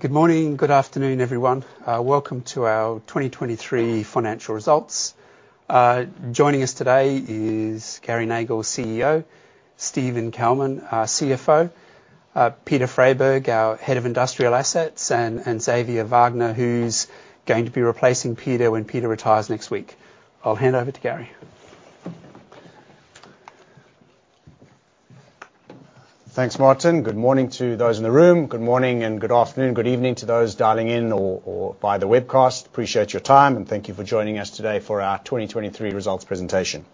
Good morning, good afternoon, everyone. Welcome to our 2023 financial results. Joining us today is Gary Nagle, CEO, Steven Kalmin, CFO, Peter Freyberg, our head of industrial assets, and Xavier Wagner, who's going to be replacing Peter when Peter retires next week. I'll hand over to Gary. Thanks, Martin. Good morning to those in the room. Good morning and good afternoon. Good evening to those dialing in or via the webcast. Appreciate your time, and thank you for joining us today for our 2023 results presentation.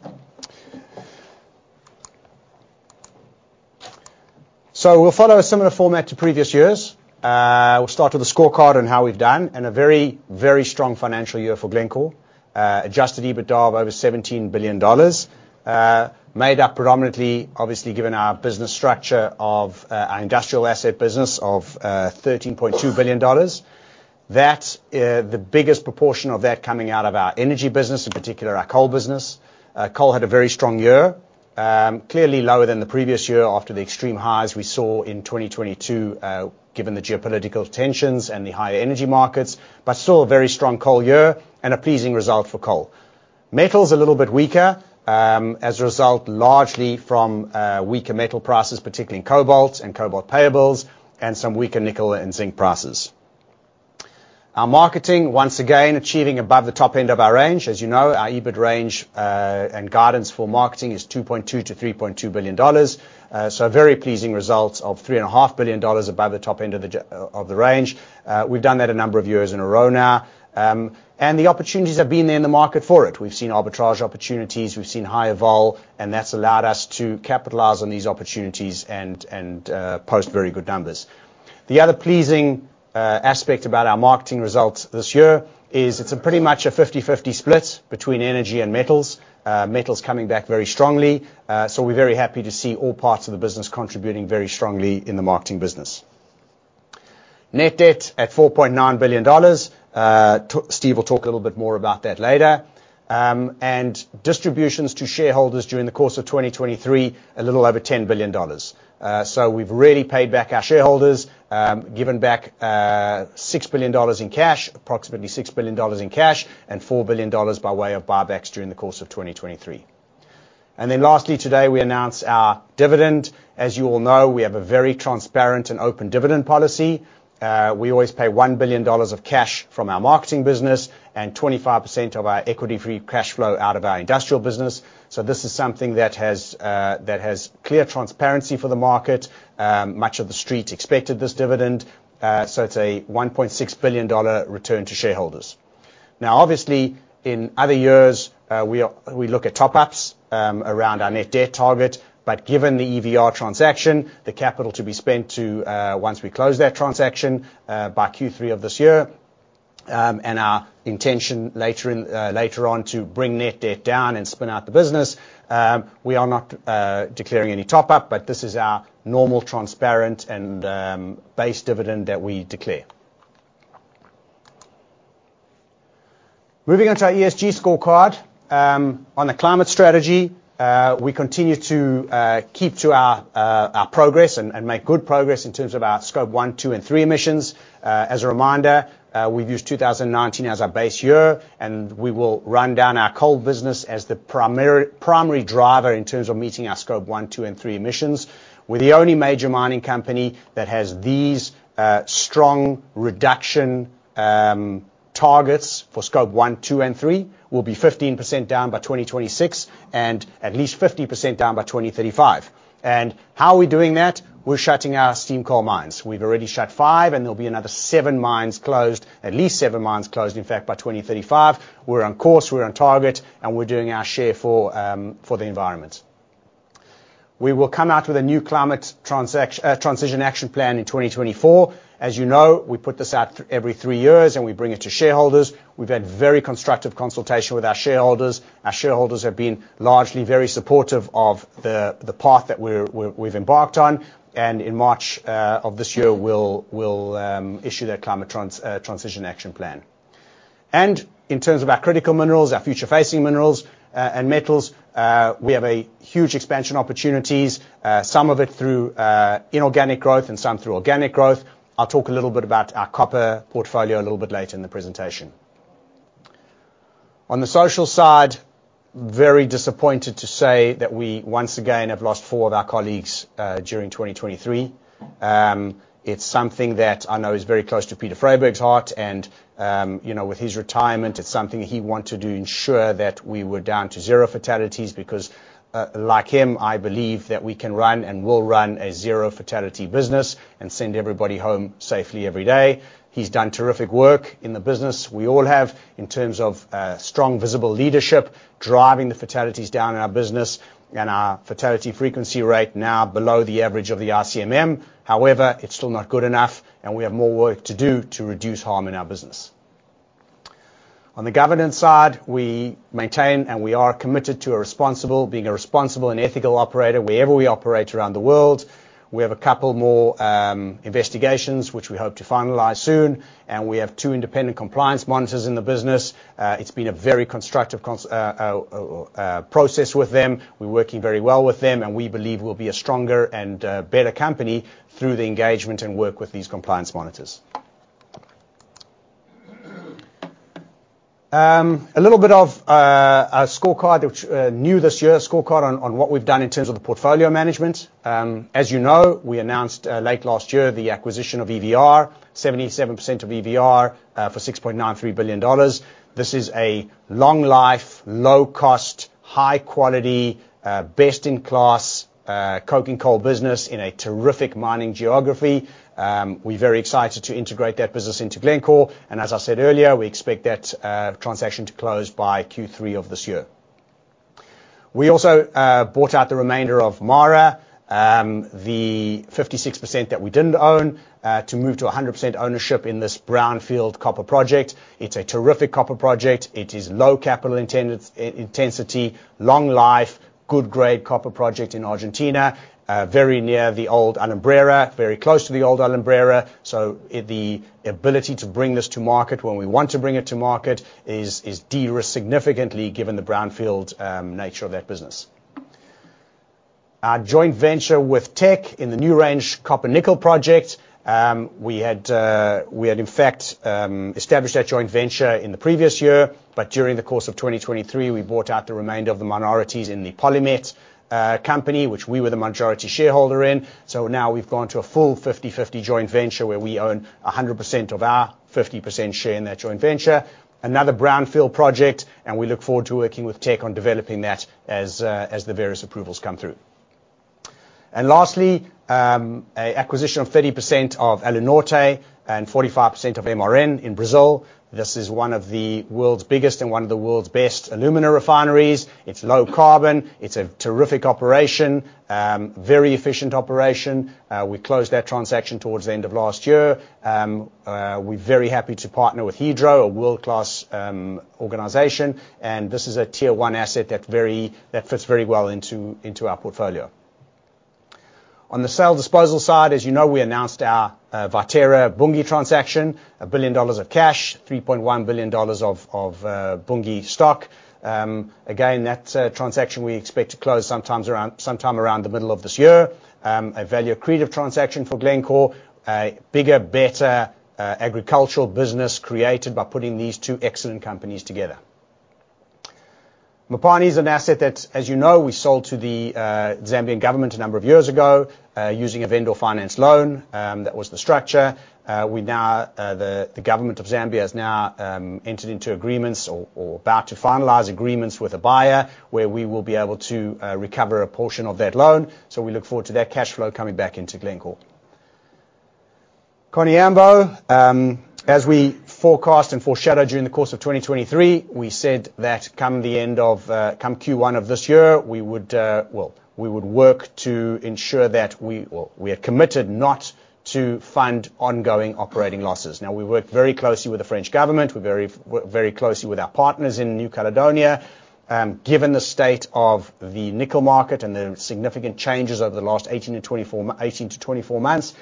So we'll follow a similar format to previous years. We'll start with the scorecard on how we've done and a very, very strong financial year for Glencore. Adjusted EBITDA of over $17 billion, made up predominantly, obviously, given our business structure of our industrial asset business of $13.2 billion. The biggest proportion of that coming out of our energy business, in particular our coal business. Coal had a very strong year, clearly lower than the previous year after the extreme highs we saw in 2022, given the geopolitical tensions and the higher energy markets, but still a very strong coal year and a pleasing result for coal. Metals a little bit weaker as a result, largely from weaker metal prices, particularly in cobalt and cobalt payables, and some weaker nickel and zinc prices. Our marketing, once again, achieving above the top end of our range. As you know, our EBIT range and guidance for marketing is $2.2 billion-$3.2 billion, so very pleasing results of $3.5 billion above the top end of the range. We've done that a number of years in a row now, and the opportunities have been there in the market for it. We've seen arbitrage opportunities, we've seen higher vol, and that's allowed us to capitalize on these opportunities and post very good numbers. The other pleasing aspect about our marketing results this year is it's pretty much a 50/50 split between energy and metals. Metals coming back very strongly, so we're very happy to see all parts of the business contributing very strongly in the marketing business. Net debt at $4.9 billion. Steve will talk a little bit more about that later. Distributions to shareholders during the course of 2023, a little over $10 billion. We've really paid back our shareholders, given back $6 billion in cash, approximately $6 billion in cash, and $4 billion by way of buybacks during the course of 2023. Then lastly, today we announced our dividend. As you all know, we have a very transparent and open dividend policy. We always pay $1 billion of cash from our marketing business and 25% of our equity-free cash flow out of our industrial business. So this is something that has clear transparency for the market. Much of the street expected this dividend, so it's a $1.6 billion return to shareholders. Now, obviously, in other years, we look at top-ups around our net debt target, but given the EVR transaction, the capital to be spent once we close that transaction by Q3 of this year, and our intention later on to bring net debt down and spin out the business, we are not declaring any top-up, but this is our normal, transparent, and base dividend that we declare. Moving on to our ESG scorecard. On the climate strategy, we continue to keep to our progress and make good progress in terms of our Scope 1, 2, and 3 emissions. As a reminder, we've used 2019 as our base year, and we will run down our coal business as the primary driver in terms of meeting our Scope 1, 2, and 3 emissions. We're the only major mining company that has these strong reduction targets for Scope 1, 2, and 3. We'll be 15% down by 2026 and at least 50% down by 2035. How are we doing that? We're shutting our steam coal mines. We've already shut five, and there'll be another seven mines closed, at least seven mines closed, in fact, by 2035. We're on course, we're on target, and we're doing our share for the environment. We will come out with a new climate transition action plan in 2024. As you know, we put this out every three years, and we bring it to shareholders. We've had very constructive consultation with our shareholders. Our shareholders have been largely very supportive of the path that we've embarked on, and in March of this year, we'll issue that climate transition action plan. In terms of our critical minerals, our future-facing minerals and metals, we have huge expansion opportunities, some of it through inorganic growth and some through organic growth. I'll talk a little bit about our copper portfolio a little bit later in the presentation. On the social side, very disappointed to say that we once again have lost four of our colleagues during 2023. It's something that I know is very close to Peter Freyberg's heart, and with his retirement, it's something he wanted to ensure that we were down to zero fatalities because, like him, I believe that we can run and will run a zero-fatality business and send everybody home safely every day. He's done terrific work in the business we all have in terms of strong, visible leadership driving the fatalities down in our business and our fatality frequency rate now below the average of the ICMM. However, it's still not good enough, and we have more work to do to reduce harm in our business. On the governance side, we maintain and we are committed to being a responsible and ethical operator wherever we operate around the world. We have a couple more investigations, which we hope to finalize soon, and we have two independent compliance monitors in the business. It's been a very constructive process with them. We're working very well with them, and we believe we'll be a stronger and better company through the engagement and work with these compliance monitors. A little bit of a scorecard, which is new this year, a scorecard on what we've done in terms of the portfolio management. As you know, we announced late last year the acquisition of EVR, 77% of EVR for $6.93 billion. This is a long-life, low-cost, high-quality, best-in-class coking coal business in a terrific mining geography. We're very excited to integrate that business into Glencore. As I said earlier, we expect that transaction to close by Q3 of this year. We also bought out the remainder of MARA, the 56% that we didn't own, to move to 100% ownership in this brownfield copper project. It's a terrific copper project. It is low capital intensity, long-life, good-grade copper project in Argentina, very near the old Alumbrera, very close to the old Alumbrera. The ability to bring this to market when we want to bring it to market is de-risk significantly given the brownfield nature of that business. Our joint venture with Teck in the NewRange copper-nickel project, we had, in fact, established that joint venture in the previous year, but during the course of 2023, we bought out the remainder of the minorities in the PolyMet company, which we were the majority shareholder in. So now we've gone to a full 50/50 joint venture where we own 100% of our 50% share in that joint venture, another brownfield project, and we look forward to working with Teck on developing that as the various approvals come through. And lastly, an acquisition of 30% of Alunorte and 45% of MRN in Brazil. This is one of the world's biggest and one of the world's best alumina refineries. It's low carbon. It's a terrific operation, very efficient operation. We closed that transaction towards the end of last year. We're very happy to partner with Hydro, a world-class organization, and this is a tier one asset that fits very well into our portfolio. On the sale disposal side, as you know, we announced our Viterra-Bunge transaction, $1 billion of cash, $3.1 billion of Bunge stock. Again, that transaction we expect to close sometime around the middle of this year, a value creative transaction for Glencore, a bigger, better agricultural business created by putting these two excellent companies together. Mopani is an asset that, as you know, we sold to the Zambian government a number of years ago using a vendor finance loan. That was the structure. The government of Zambia has now entered into agreements or about to finalize agreements with a buyer where we will be able to recover a portion of that loan. So we look forward to that cash flow coming back into Glencore. Koniambo, as we forecast and foreshadowed during the course of 2023, we said that come the end of Q1 of this year, we would work to ensure that we are committed not to fund ongoing operating losses. Now, we work very closely with the French government. We work very closely with our partners in New Caledonia. Given the state of the nickel market and the significant changes over the last 18-24 months,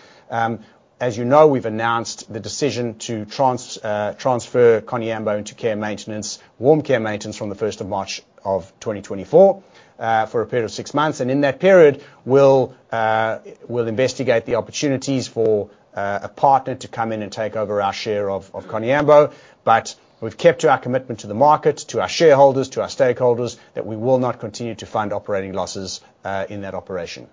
as you know, we've announced the decision to transfer Koniambo into care and maintenance, warm care and maintenance, from the 1st of March of 2024 for a period of six months. And in that period, we'll investigate the opportunities for a partner to come in and take over our share of Koniambo. But we've kept to our commitment to the market, to our shareholders, to our stakeholders, that we will not continue to fund operating losses in that operation.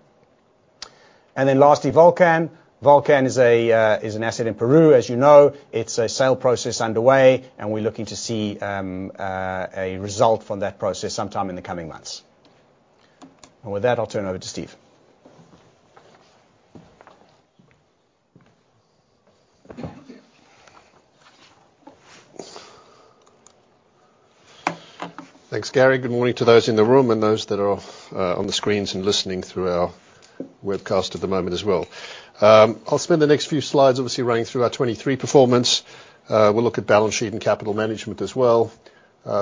Then lastly, Volcan. Volcan is an asset in Peru. As you know, it's a sale process underway, and we're looking to see a result from that process sometime in the coming months. With that, I'll turn over to Steve. Thanks, Gary. Good morning to those in the room and those that are on the screens and listening through our webcast at the moment as well. I'll spend the next few slides, obviously, running through our 2023 performance. We'll look at balance sheet and capital management as well.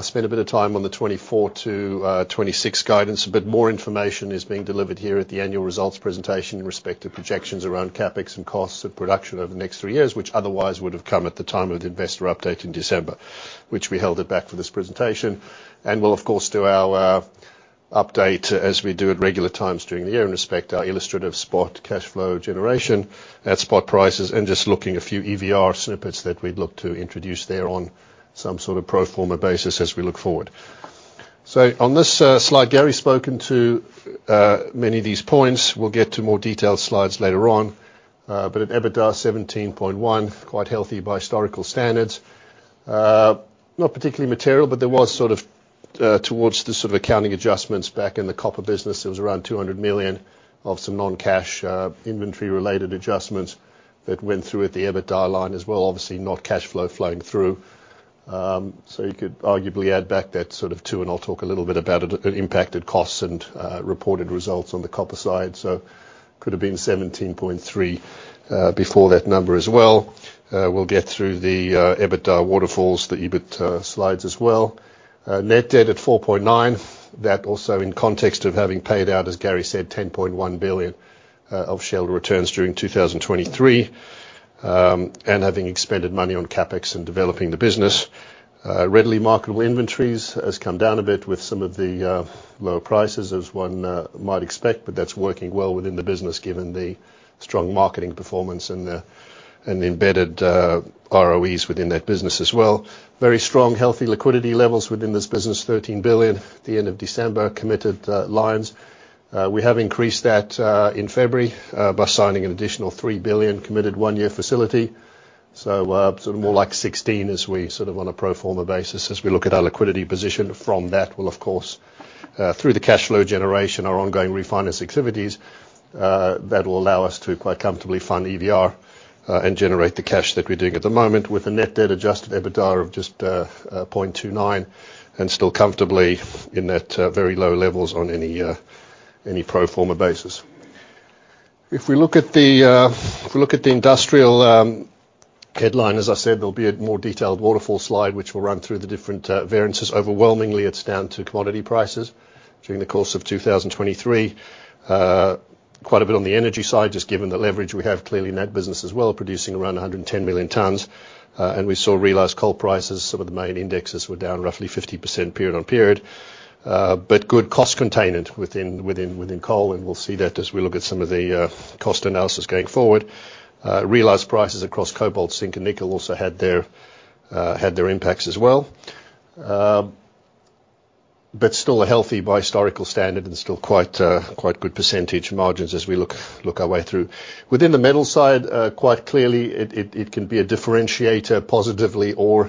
Spend a bit of time on the 2024 to 2026 guidance. A bit more information is being delivered here at the annual results presentation in respect to projections around CAPEX and costs of production over the next three years, which otherwise would have come at the time of the investor update in December, which we held it back for this presentation. And we'll, of course, do our update as we do at regular times during the year in respect to our illustrative spot cash flow generation at spot prices and just looking at a few EVR snippets that we'd look to introduce there on some sort of pro forma basis as we look forward. So on this slide, Gary's spoken to many of these points. We'll get to more detailed slides later on. But at EBITDA $17.1 billion, quite healthy by historical standards. Not particularly material, but there was sort of towards the sort of accounting adjustments back in the copper business, there was around $200 million of some non-cash inventory-related adjustments that went through at the EBITDA line as well, obviously not cash flow flowing through. So you could arguably add back that sort of $200 million, and I'll talk a little bit about it, impacted costs and reported results on the copper side. So it could have been $17.3 billion before that number as well. We'll get through the EBITDA waterfalls, the EBIT slides as well. Net debt at $4.9 billion. That also in context of having paid out, as Gary said, $10.1 billion of shareholder returns during 2023 and having expended money on CapEx and developing the business. Readily marketable inventories have come down a bit with some of the lower prices as one might expect, but that's working well within the business given the strong marketing performance and the embedded ROEs within that business as well. Very strong, healthy liquidity levels within this business, $13 billion at the end of December, committed lines. We have increased that in February by signing an additional $3 billion committed one-year facility. So sort of more like $16 billion as we sort of on a pro forma basis as we look at our liquidity position from that. Well, of course, through the cash flow generation, our ongoing refinance activities, that will allow us to quite comfortably fund EVR and generate the cash that we're doing at the moment with a net debt adjusted EBITDA of just 0.29 and still comfortably in that very low levels on any pro forma basis. If we look at the industrial headline, as I said, there'll be a more detailed waterfall slide, which will run through the different variances. Overwhelmingly, it's down to commodity prices during the course of 2023. Quite a bit on the energy side, just given the leverage we have. Clearly, net business as well producing around 110 million tons. We saw realized coal prices, some of the main indexes were down roughly 50% period-on-period, but good cost containment within coal, and we'll see that as we look at some of the cost analysis going forward. Realized prices across cobalt, zinc, and nickel also had their impacts as well, but still a healthy by historical standard and still quite good percentage margins as we look our way through. Within the metal side, quite clearly, it can be a differentiator positively or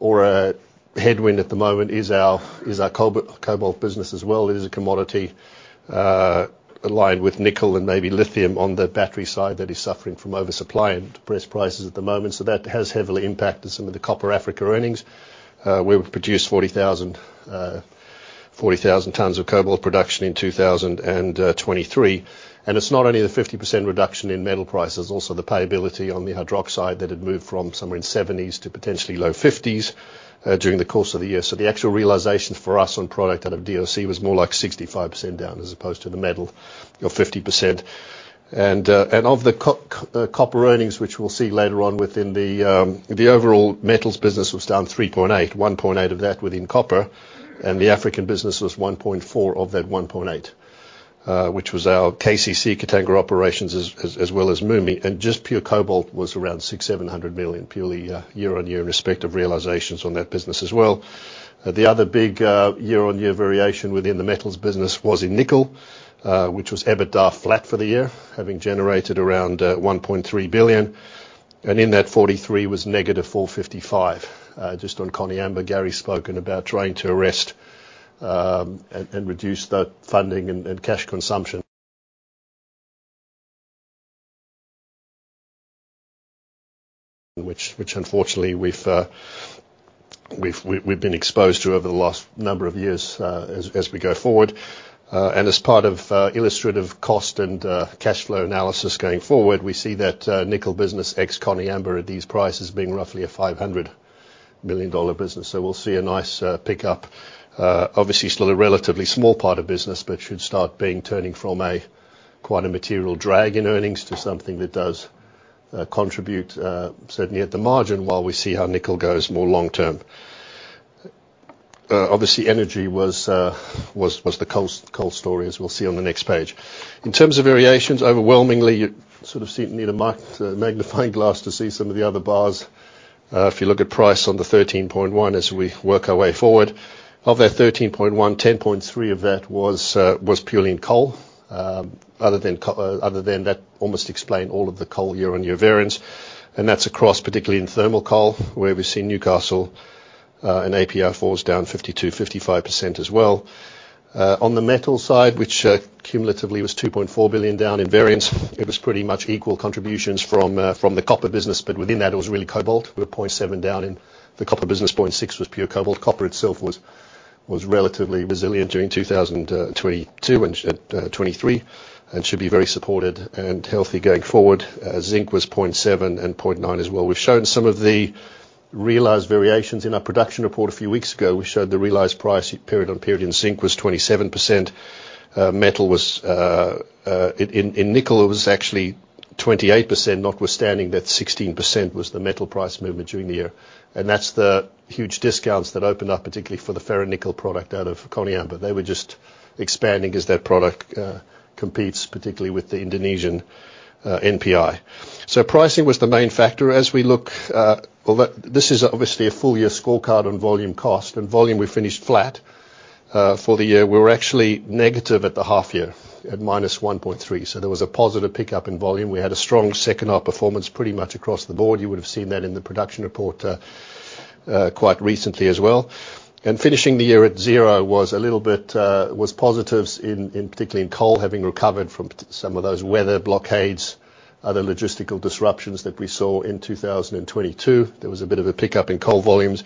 a headwind at the moment is our cobalt business as well. It is a commodity aligned with nickel and maybe lithium on the battery side that is suffering from oversupply and depressed prices at the moment. So that has heavily impacted some of the copper Africa earnings. We would produce 40,000 tons of cobalt production in 2023. And it's not only the 50% reduction in metal prices, also the payability on the hydroxide that had moved from somewhere in 70s to potentially low 50s during the course of the year. So the actual realizations for us on product out of DRC was more like 65% down as opposed to the metal of 50%. And of the copper earnings, which we'll see later on within the overall metals business, was down $3.8 billion, $1.8 billion of that within copper, and the African business was $1.4 billion of that $1.8 billion, which was our KCC, Katanga Operations, as well as Mutanda. And just pure cobalt was around $600 million-$700 million purely year-on-year in respect of realizations on that business as well. The other big year-on-year variation within the metals business was in nickel, which was EBITDA flat for the year, having generated around $1.3 billion. And in 2023 was -$455 million. Just on Koniambo, Gary's spoken about trying to arrest and reduce that funding and cash consumption, which unfortunately we've been exposed to over the last number of years as we go forward. As part of illustrative cost and cash flow analysis going forward, we see that nickel business ex-Koniambo at these prices being roughly a $500 million business. So we'll see a nice pickup. Obviously, still a relatively small part of business, but should start turning from quite a material drag in earnings to something that does contribute certainly at the margin while we see how nickel goes more long term. Obviously, energy was the coal story, as we'll see on the next page. In terms of variations, overwhelmingly, you sort of need a magnifying glass to see some of the other bars. If you look at price on the 13.1 as we work our way forward, of that 13.1, 10.3 of that was purely in coal. Other than that, almost explain all of the coal year-on-year variance. That's across, particularly in thermal coal, where we've seen Newcastle and APR4s down 52%-55% as well. On the metal side, which cumulatively was $2.4 billion down in variance, it was pretty much equal contributions from the copper business, but within that, it was really cobalt. We were $0.7 billion down in the copper business. $0.6 billion was pure cobalt. Copper itself was relatively resilient during 2022 and 2023 and should be very supported and healthy going forward. Zinc was $0.7 billion and $0.9 billion as well. We've shown some of the realized variations in our production report a few weeks ago. We showed the realized price period-on-period in zinc was 27%. In nickel, it was actually 28%, notwithstanding that 16% was the metal price movement during the year. That's the huge discounts that opened up, particularly for the ferronickel product out of Koniambo. They were just expanding as that product competes, particularly with the Indonesian NPI. So pricing was the main factor as we look although this is obviously a full-year scorecard on volume cost. And volume, we finished flat for the year. We were actually negative at the half-year at -1.3. So there was a positive pickup in volume. We had a strong second-half performance pretty much across the board. You would have seen that in the production report quite recently as well. And finishing the year at zero was positives, particularly in coal, having recovered from some of those weather blockades, other logistical disruptions that we saw in 2022. There was a bit of a pickup in coal volumes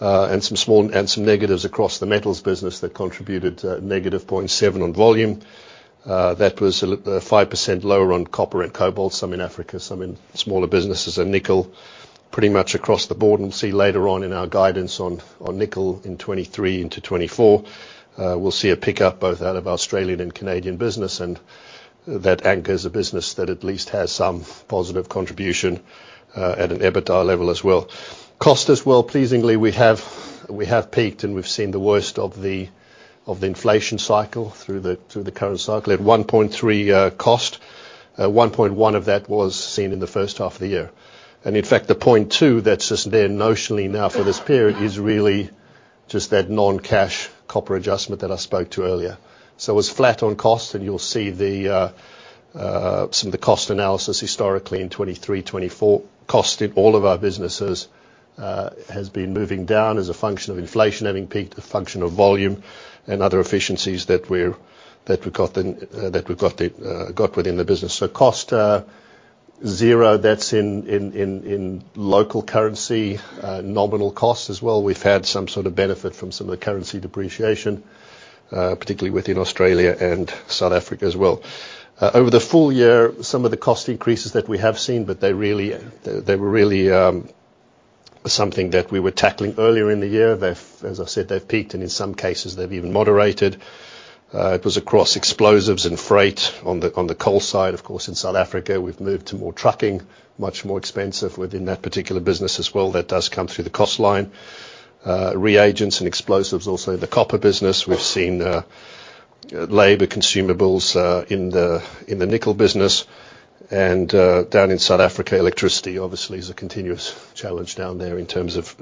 and some negatives across the metals business that contributed -0.7 on volume. That was 5% lower on copper and cobalt, some in Africa, some in smaller businesses and nickel pretty much across the board. We'll see later on in our guidance on nickel in 2023 into 2024, we'll see a pickup both out of Australian and Canadian business, and that anchors a business that at least has some positive contribution at an EBITDA level as well. Cost as well, pleasingly, we have peaked, and we've seen the worst of the inflation cycle through the current cycle at 1.3 cost. 1.1 of that was seen in the first half of the year. In fact, the 0.2 that's just there notionally now for this period is really just that non-cash copper adjustment that I spoke to earlier. So it was flat on cost, and you'll see some of the cost analysis historically in 2023, 2024. Cost in all of our businesses has been moving down as a function of inflation having peaked, a function of volume and other efficiencies that we've got within the business. So cost zero, that's in local currency nominal cost as well. We've had some sort of benefit from some of the currency depreciation, particularly within Australia and South Africa as well. Over the full year, some of the cost increases that we have seen, but they were really something that we were tackling earlier in the year. As I said, they've peaked, and in some cases, they've even moderated. It was across explosives and freight on the coal side. Of course, in South Africa, we've moved to more trucking, much more expensive within that particular business as well. That does come through the cost line. Reagents and explosives also in the copper business. We've seen labour consumables in the nickel business. Down in South Africa, electricity obviously is a continuous challenge down there in terms of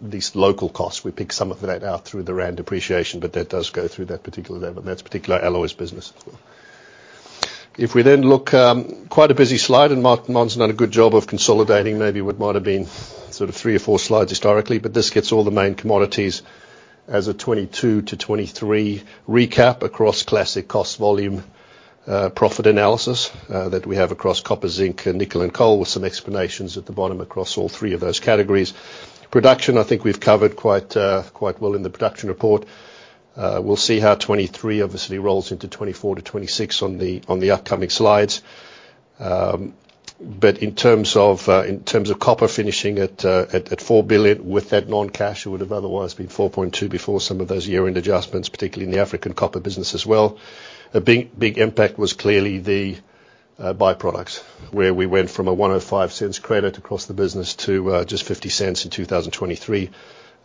these local costs. We pick some of that out through the rand depreciation, but that does go through that particular level. That's particularly our alloys business as well. If we then look quite a busy slide, and Martin's done a good job of consolidating. Maybe it might have been sort of three or four slides historically, but this gets all the main commodities as a 2022 to 2023 recap across classic cost volume profit analysis that we have across copper, zinc, nickel, and coal with some explanations at the bottom across all three of those categories. Production, I think we've covered quite well in the production report. We'll see how 2023 obviously rolls into 2024 to 2026 on the upcoming slides. But in terms of copper finishing at $4 billion with that non-cash, it would have otherwise been $4.2 billion before some of those year-end adjustments, particularly in the African copper business as well. A big impact was clearly the byproducts where we went from a $0.0105 credit across the business to just $0.50 in 2023,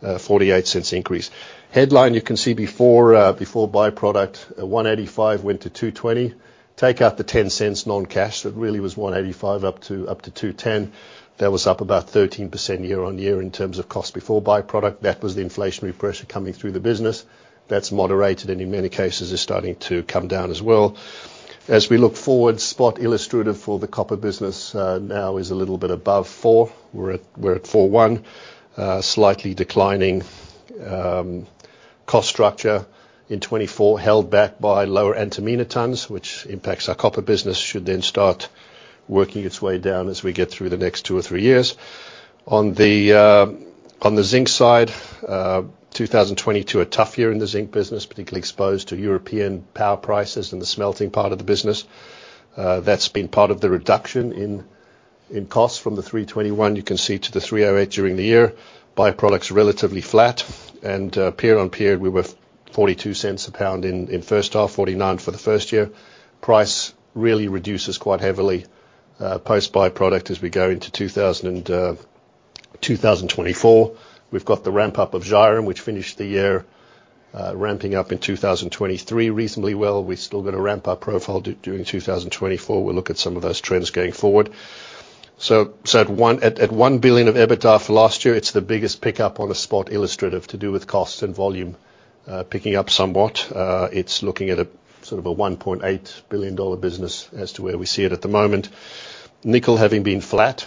$0.48 increase. Headline, you can see before byproduct, $1.85 went to $2.20. Take out the $0.10 non-cash. It really was $1.85 up to $2.10. That was up about 13% year-on-year in terms of cost before byproduct. That was the inflationary pressure coming through the business. That's moderated, and in many cases, is starting to come down as well. As we look forward, spot illustrative for the copper business now is a little bit above $4. We're at $4.1, slightly declining cost structure in 2024, held back by lower Antamina tons, which impacts our copper business, should then start working its way down as we get through the next two or three years. On the zinc side, 2022 a tough year in the zinc business, particularly exposed to European power prices and the smelting part of the business. That's been part of the reduction in costs from the $3.21, you can see, to the $3.08 during the year. Byproducts relatively flat. Period on period, we were $0.42 a pound in first half, $0.49 for the full year. Price really reduces quite heavily post-byproduct as we go into 2024. We've got the ramp-up of Zhairem, which finished the year ramping up in 2023 reasonably well. We've still got a ramp-up profile during 2024. We'll look at some of those trends going forward. So at $1 billion of EBITDA for last year, it's the biggest pickup on a spot illustrative to do with costs and volume picking up somewhat. It's looking at sort of a $1.8 billion business as to where we see it at the moment. Nickel having been flat.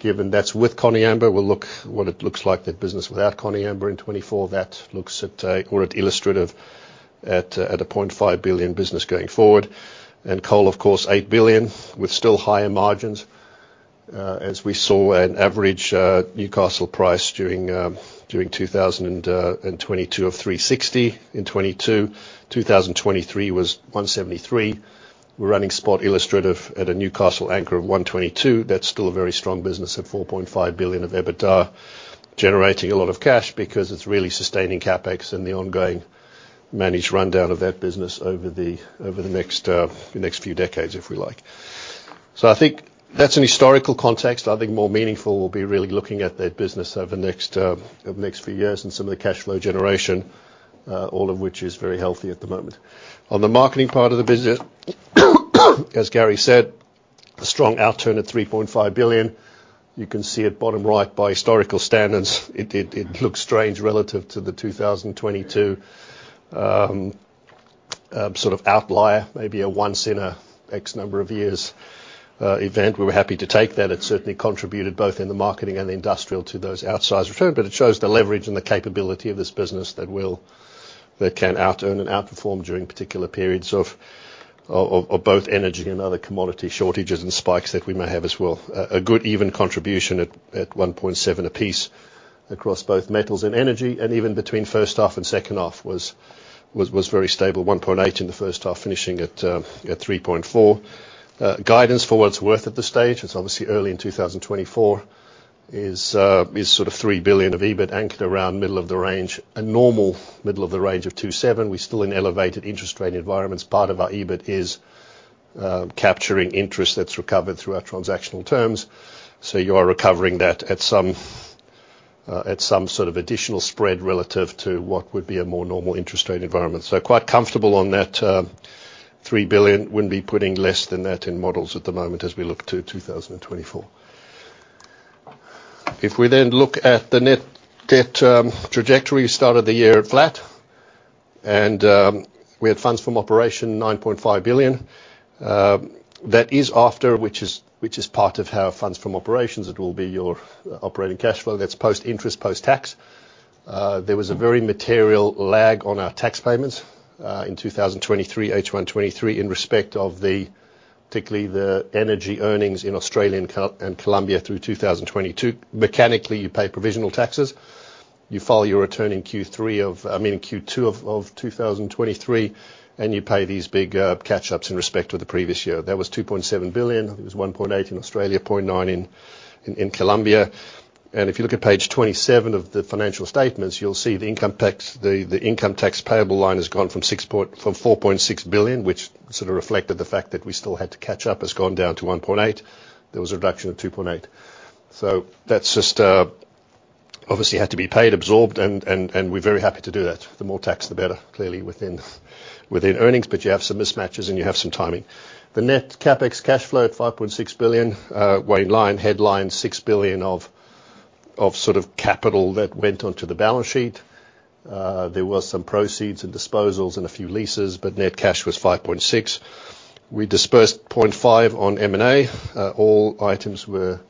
That's with Koniambo. We'll look what it looks like that business without Koniambo in 2024. That looks or it illustrative at a $0.5 billion business going forward. And coal, of course, $8 billion with still higher margins as we saw an average Newcastle price during 2022 of $360 in 2022. 2023 was $173. We're running spot illustrative at a Newcastle anchor of $122. That's still a very strong business at $4.5 billion of EBITDA, generating a lot of cash because it's really sustaining capex and the ongoing managed rundown of that business over the next few decades, if we like. So I think that's an historical context. I think more meaningful will be really looking at that business over the next few years and some of the cash flow generation, all of which is very healthy at the moment. On the marketing part of the business, as Gary said, a strong outturn at $3.5 billion. You can see at bottom right by historical standards, it looks strange relative to the 2022 sort of outlier, maybe a once in a X number of years event. We were happy to take that. It certainly contributed both in the marketing and the industrial to those outsized returns, but it shows the leverage and the capability of this business that can out-earn and outperform during particular periods of both energy and other commodity shortages and spikes that we may have as well. A good even contribution at 1.7 apiece across both metals and energy, and even between first half and second half was very stable, 1.8 in the first half finishing at 3.4. Guidance for what it's worth at this stage, it's obviously early in 2024, is sort of $3 billion of EBIT anchored around middle of the range, a normal middle of the range of $2.7 billion. We're still in elevated interest rate environments. Part of our EBIT is capturing interest that's recovered through our transactional terms. So you are recovering that at some sort of additional spread relative to what would be a more normal interest rate environment. So quite comfortable on that $3 billion. Wouldn't be putting less than that in models at the moment as we look to 2024. If we then look at the net debt trajectory, we started the year at flat, and we had Funds from Operations $9.5 billion. That is after. Which is part of how Funds from Operations it will be your operating cash flow. That's post-interest, post-tax. There was a very material lag on our tax payments in 2023, H123, in respect of particularly the energy earnings in Australia and Colombia through 2022. Mechanically, you pay provisional taxes. You file your return in Q3 of I mean, in Q2 of 2023, and you pay these big catch-ups in respect of the previous year. That was $2.7 billion. It was $1.8 billion in Australia, $0.9 billion in Colombia. And if you look at page 27 of the financial statements, you'll see the income tax payable line has gone from $4.6 billion, which sort of reflected the fact that we still had to catch up. It's gone down to 1.8. There was a reduction of 2.8. So that's just obviously had to be paid, absorbed, and we're very happy to do that. The more tax, the better, clearly, within earnings. But you have some mismatches, and you have some timing. The net CapEx cash flow at $5.6 billion went in line. Headline, $6 billion of sort of capital that went onto the balance sheet. There were some proceeds and disposals and a few leases, but net cash was $5.6 billion. We dispersed $0.5 billion on M&A. All items were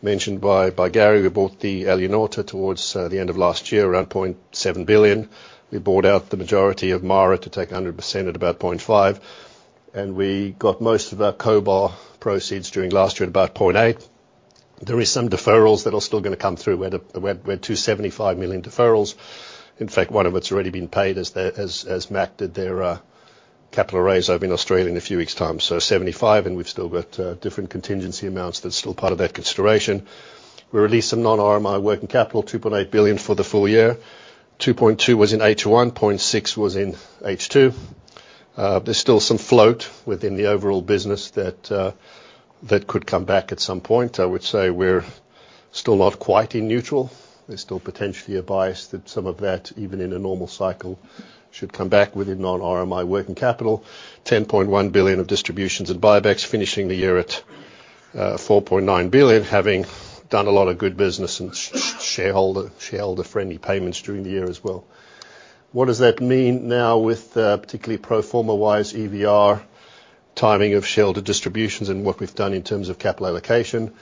mentioned by Gary. We bought the Alunorte towards the end of last year around $0.7 billion. We bought out the majority of MARA to take 100% at about $0.5 billion, and we got most of our Cobar proceeds during last year at about $0.8 billion. There are some deferrals that are still going to come through. We had $275 million deferrals. In fact, one of its already been paid as MAC did their capital raise over in Australia in a few weeks' time. So $75 million, and we've still got different contingency amounts that's still part of that consideration. We released some non-RMI working capital, $2.8 billion for the full year. $2.2 billion was in H1, $0.6 billion was in H2. There's still some float within the overall business that could come back at some point. I would say we're still not quite in neutral. There's still potentially a bias that some of that, even in a normal cycle, should come back within non-RMI working capital. $10.1 billion of distributions and buybacks finishing the year at $4.9 billion, having done a lot of good business and shareholder-friendly payments during the year as well. What does that mean now with particularly pro forma-wise EVR timing of shareholder distributions and what we've done in terms of capital allocation?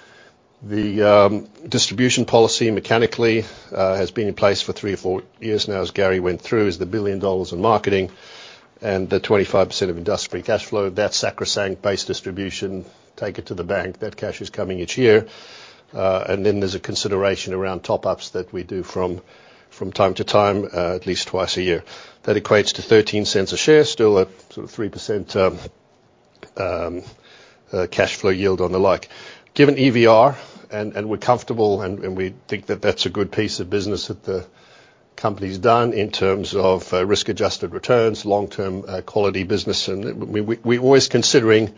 The distribution policy mechanically has been in place for three or four years now as Gary went through. It's the $1 billion in marketing and the 25% of industry cash flow. That sacrosanct-based distribution, take it to the bank, that cash is coming each year. And then there's a consideration around top-ups that we do from time to time, at least twice a year. That equates to $0.13 a share, still a sort of 3% cash flow yield on the like. Given EVR, and we're comfortable, and we think that that's a good piece of business that the company's done in terms of risk-adjusted returns, long-term quality business. And we're always considering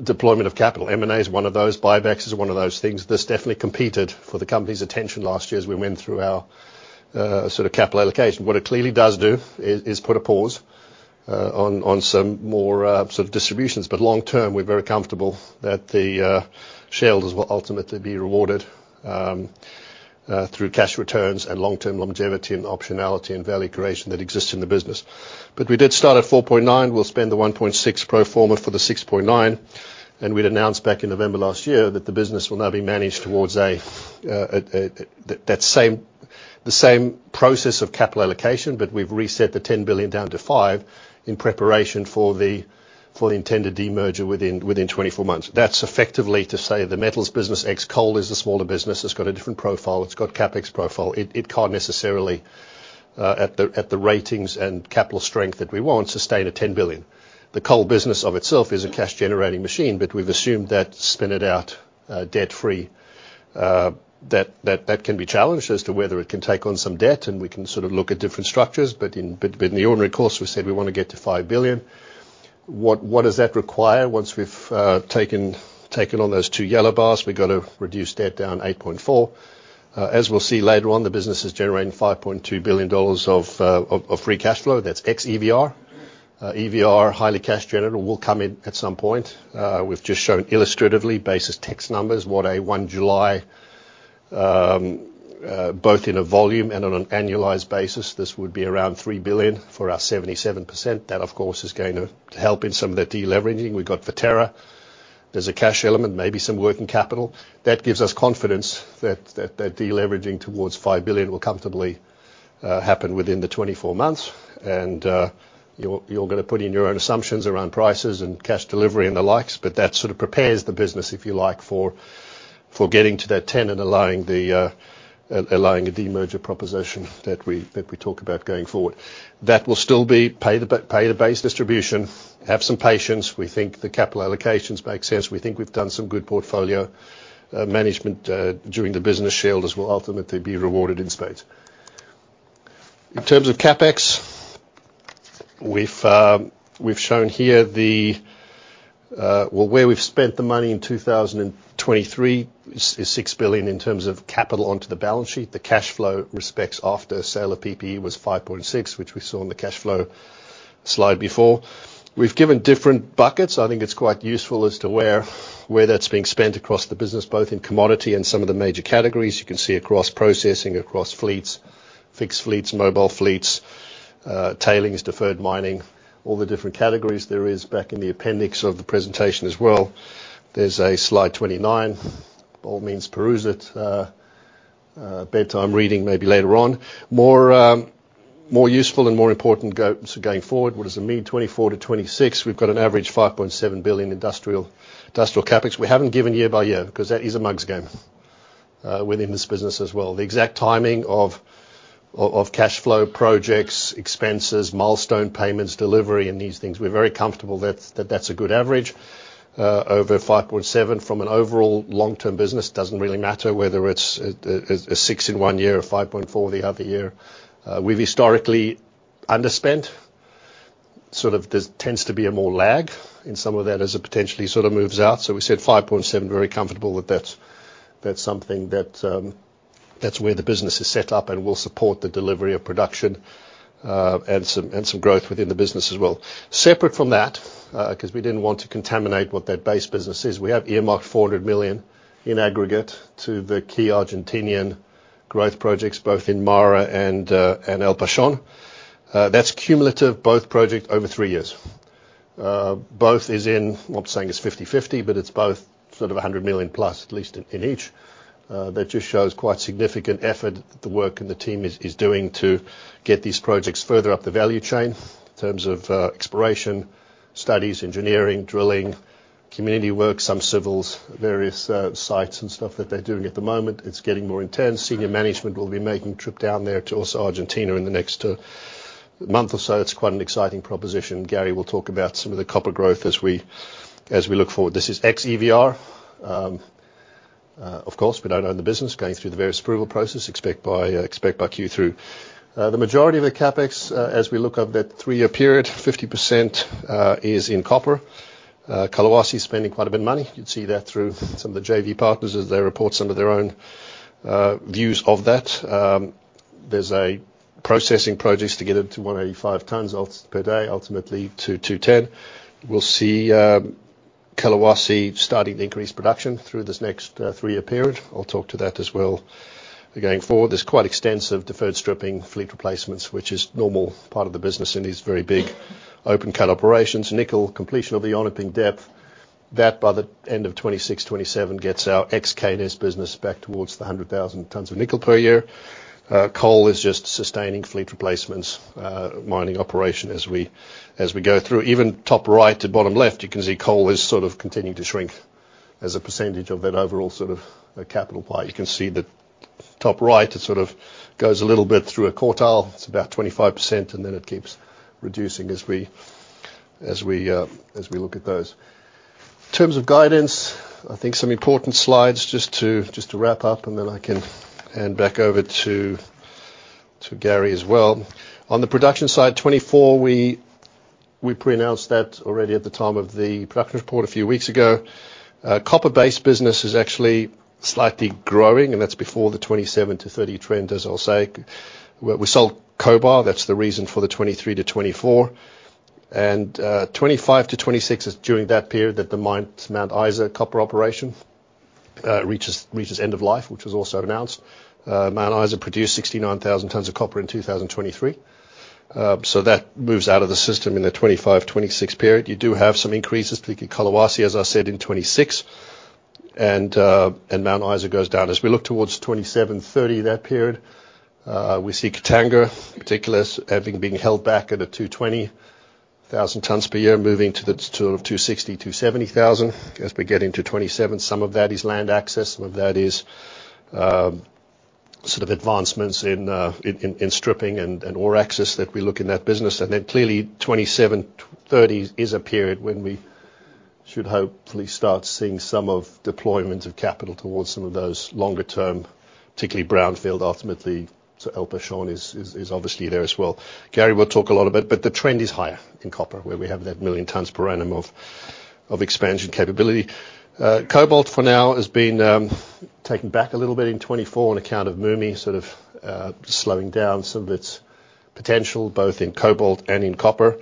deployment of capital. M&A is one of those. Buybacks is one of those things. This definitely competed for the company's attention last year as we went through our sort of capital allocation. What it clearly does do is put a pause on some more sort of distributions. But long-term, we're very comfortable that the shareholders will ultimately be rewarded through cash returns and long-term longevity and optionality and value creation that exists in the business. But we did start at $4.9 billion. We'll spend the $1.6 billion pro forma for the $6.9 billion. And we'd announced back in November last year that the business will now be managed towards that same process of capital allocation, but we've reset the $10 billion down to $5 billion in preparation for the intended demerger within 24 months. That's effectively to say the metals business, ex-coal, is a smaller business. It's got a different profile. It's got CAPEX profile. It can't necessarily, at the ratings and capital strength that we want, sustain a $10 billion. The coal business of itself is a cash-generating machine, but we've assumed that spin it out debt-free, that can be challenged as to whether it can take on some debt, and we can sort of look at different structures. But in the ordinary course, we said we want to get to $5 billion. What does that require once we've taken on those two yellow bars? We've got to reduce debt down $8.4 billion. As we'll see later on, the business is generating $5.2 billion of free cash flow. That's ex-EVR. EVR, highly cash-generative, will come in at some point. We've just shown illustratively, basis tax numbers, what a 1 July, both in a volume and on an annualized basis, this would be around $3 billion for our 77%. That, of course, is going to help in some of the de-leveraging. We've got Viterra. There's a cash element, maybe some working capital. That gives us confidence that that de-leveraging towards $5 billion will comfortably happen within the 24 months. And you're going to put in your own assumptions around prices and cash delivery and the likes, but that sort of prepares the business, if you like, for getting to that $10 billion and allowing a demerger proposition that we talk about going forward. That will still be pay the base distribution, have some patience. We think the capital allocations make sense. We think we've done some good portfolio management during the business. Shareholders will ultimately be rewarded in spades. In terms of CapEx, we've shown here the well, where we've spent the money in 2023 is $6 billion in terms of capital onto the balance sheet. The cash flow receipts after sale of PPE was $5.6 billion, which we saw in the cash flow slide before. We've given different buckets. I think it's quite useful as to where that's being spent across the business, both in commodity and some of the major categories. You can see across processing, across fleets, fixed fleets, mobile fleets, tailings, deferred mining, all the different categories there is back in the appendix of the presentation as well. There's a slide 29. All means peruse it. Bedtime reading maybe later on. More useful and more important goals going forward. What does it mean? 2024-2026, we've got an average $5.7 billion industrial CapEx. We haven't given year-by -year because that is a mug's game within this business as well. The exact timing of cash flow projects, expenses, milestone payments, delivery, and these things, we're very comfortable that that's a good average. Over 5.7 from an overall long-term business, it doesn't really matter whether it's a six in one year or 5.4 the other year. We've historically underspent. Sort of there tends to be a more lag in some of that as it potentially sort of moves out. So we said 5.7, very comfortable that that's something that's where the business is set up and will support the delivery of production and some growth within the business as well. Separate from that, because we didn't want to contaminate what that base business is, we have earmarked $400 million in aggregate to the key Argentine growth projects, both in MARA and El Pachón. That's cumulative, both projects, over three years. Both is in I'm not saying it's 50/50, but it's both sort of $100 million+, at least in each. That just shows quite significant effort that the work and the team is doing to get these projects further up the value chain in terms of exploration, studies, engineering, drilling, community work, some civils, various sites and stuff that they're doing at the moment. It's getting more intense. Senior management will be making a trip down there to also Argentina in the next month or so. It's quite an exciting proposition. Gary will talk about some of the copper growth as we look forward. This is ex-EVR. Of course, we don't own the business. Going through the various approval process, expect by Q3. The majority of the CAPEX, as we look over that three-year period, 50% is in copper. Collahuasi's spending quite a bit of money. You'd see that through some of the JV partners as they report some of their own views of that. There's a processing project to get it to 185 tons per day, ultimately to 210. We'll see Collahuasi starting to increase production through this next three-year period. I'll talk to that as well going forward. There's quite extensive deferred stripping, fleet replacements, which is normal part of the business in these very big open-cut operations. Nickel, completion of the onramping depth, that by the end of 2026, 2027 gets our ex-Koniambo business back towards the 100,000 tons of nickel per year. Coal is just sustaining fleet replacements, mining operation as we go through. Even top right to bottom left, you can see coal is sort of continuing to shrink as a percentage of that overall sort of capital part. You can see that top right, it sort of goes a little bit through a quartile. It's about 25%, and then it keeps reducing as we look at those. In terms of guidance, I think some important slides just to wrap up, and then I can hand back over to Gary as well. On the production side, 2024, we pre-announced that already at the time of the production report a few weeks ago. Copper-based business is actually slightly growing, and that's before the 2027-2030 trend, as I'll say. We sell cobalt. That's the reason for the 2023-2024. And 2025-2026 is during that period that the Mount Isa copper operation reaches end of life, which was also announced. Mount Isa produced 69,000 tons of copper in 2023. So that moves out of the system in the 2025-2026 period. You do have some increases, particularly Collahuasi, as I said, in 2026, and Mount Isa goes down. As we look towards 2027, 2030, that period, we see Katanga, particularly having been held back at a 220,000 tons per year, moving to sort of 260,000-270,000. As we get into 2027, some of that is land access. Some of that is sort of advancements in stripping and ore access that we look in that business. Then clearly, 2027-2030 is a period when we should hopefully start seeing some of deployments of capital towards some of those longer-term, particularly Brownfield, ultimately. So El Pachón is obviously there as well. Gary will talk a lot about it, but the trend is higher in copper, where we have that 1 million tons per annum of expansion capability. Cobalt, for now, has been taken back a little bit in 2024 on account of Mutanda, sort of slowing down some of its potential, both in cobalt and in copper.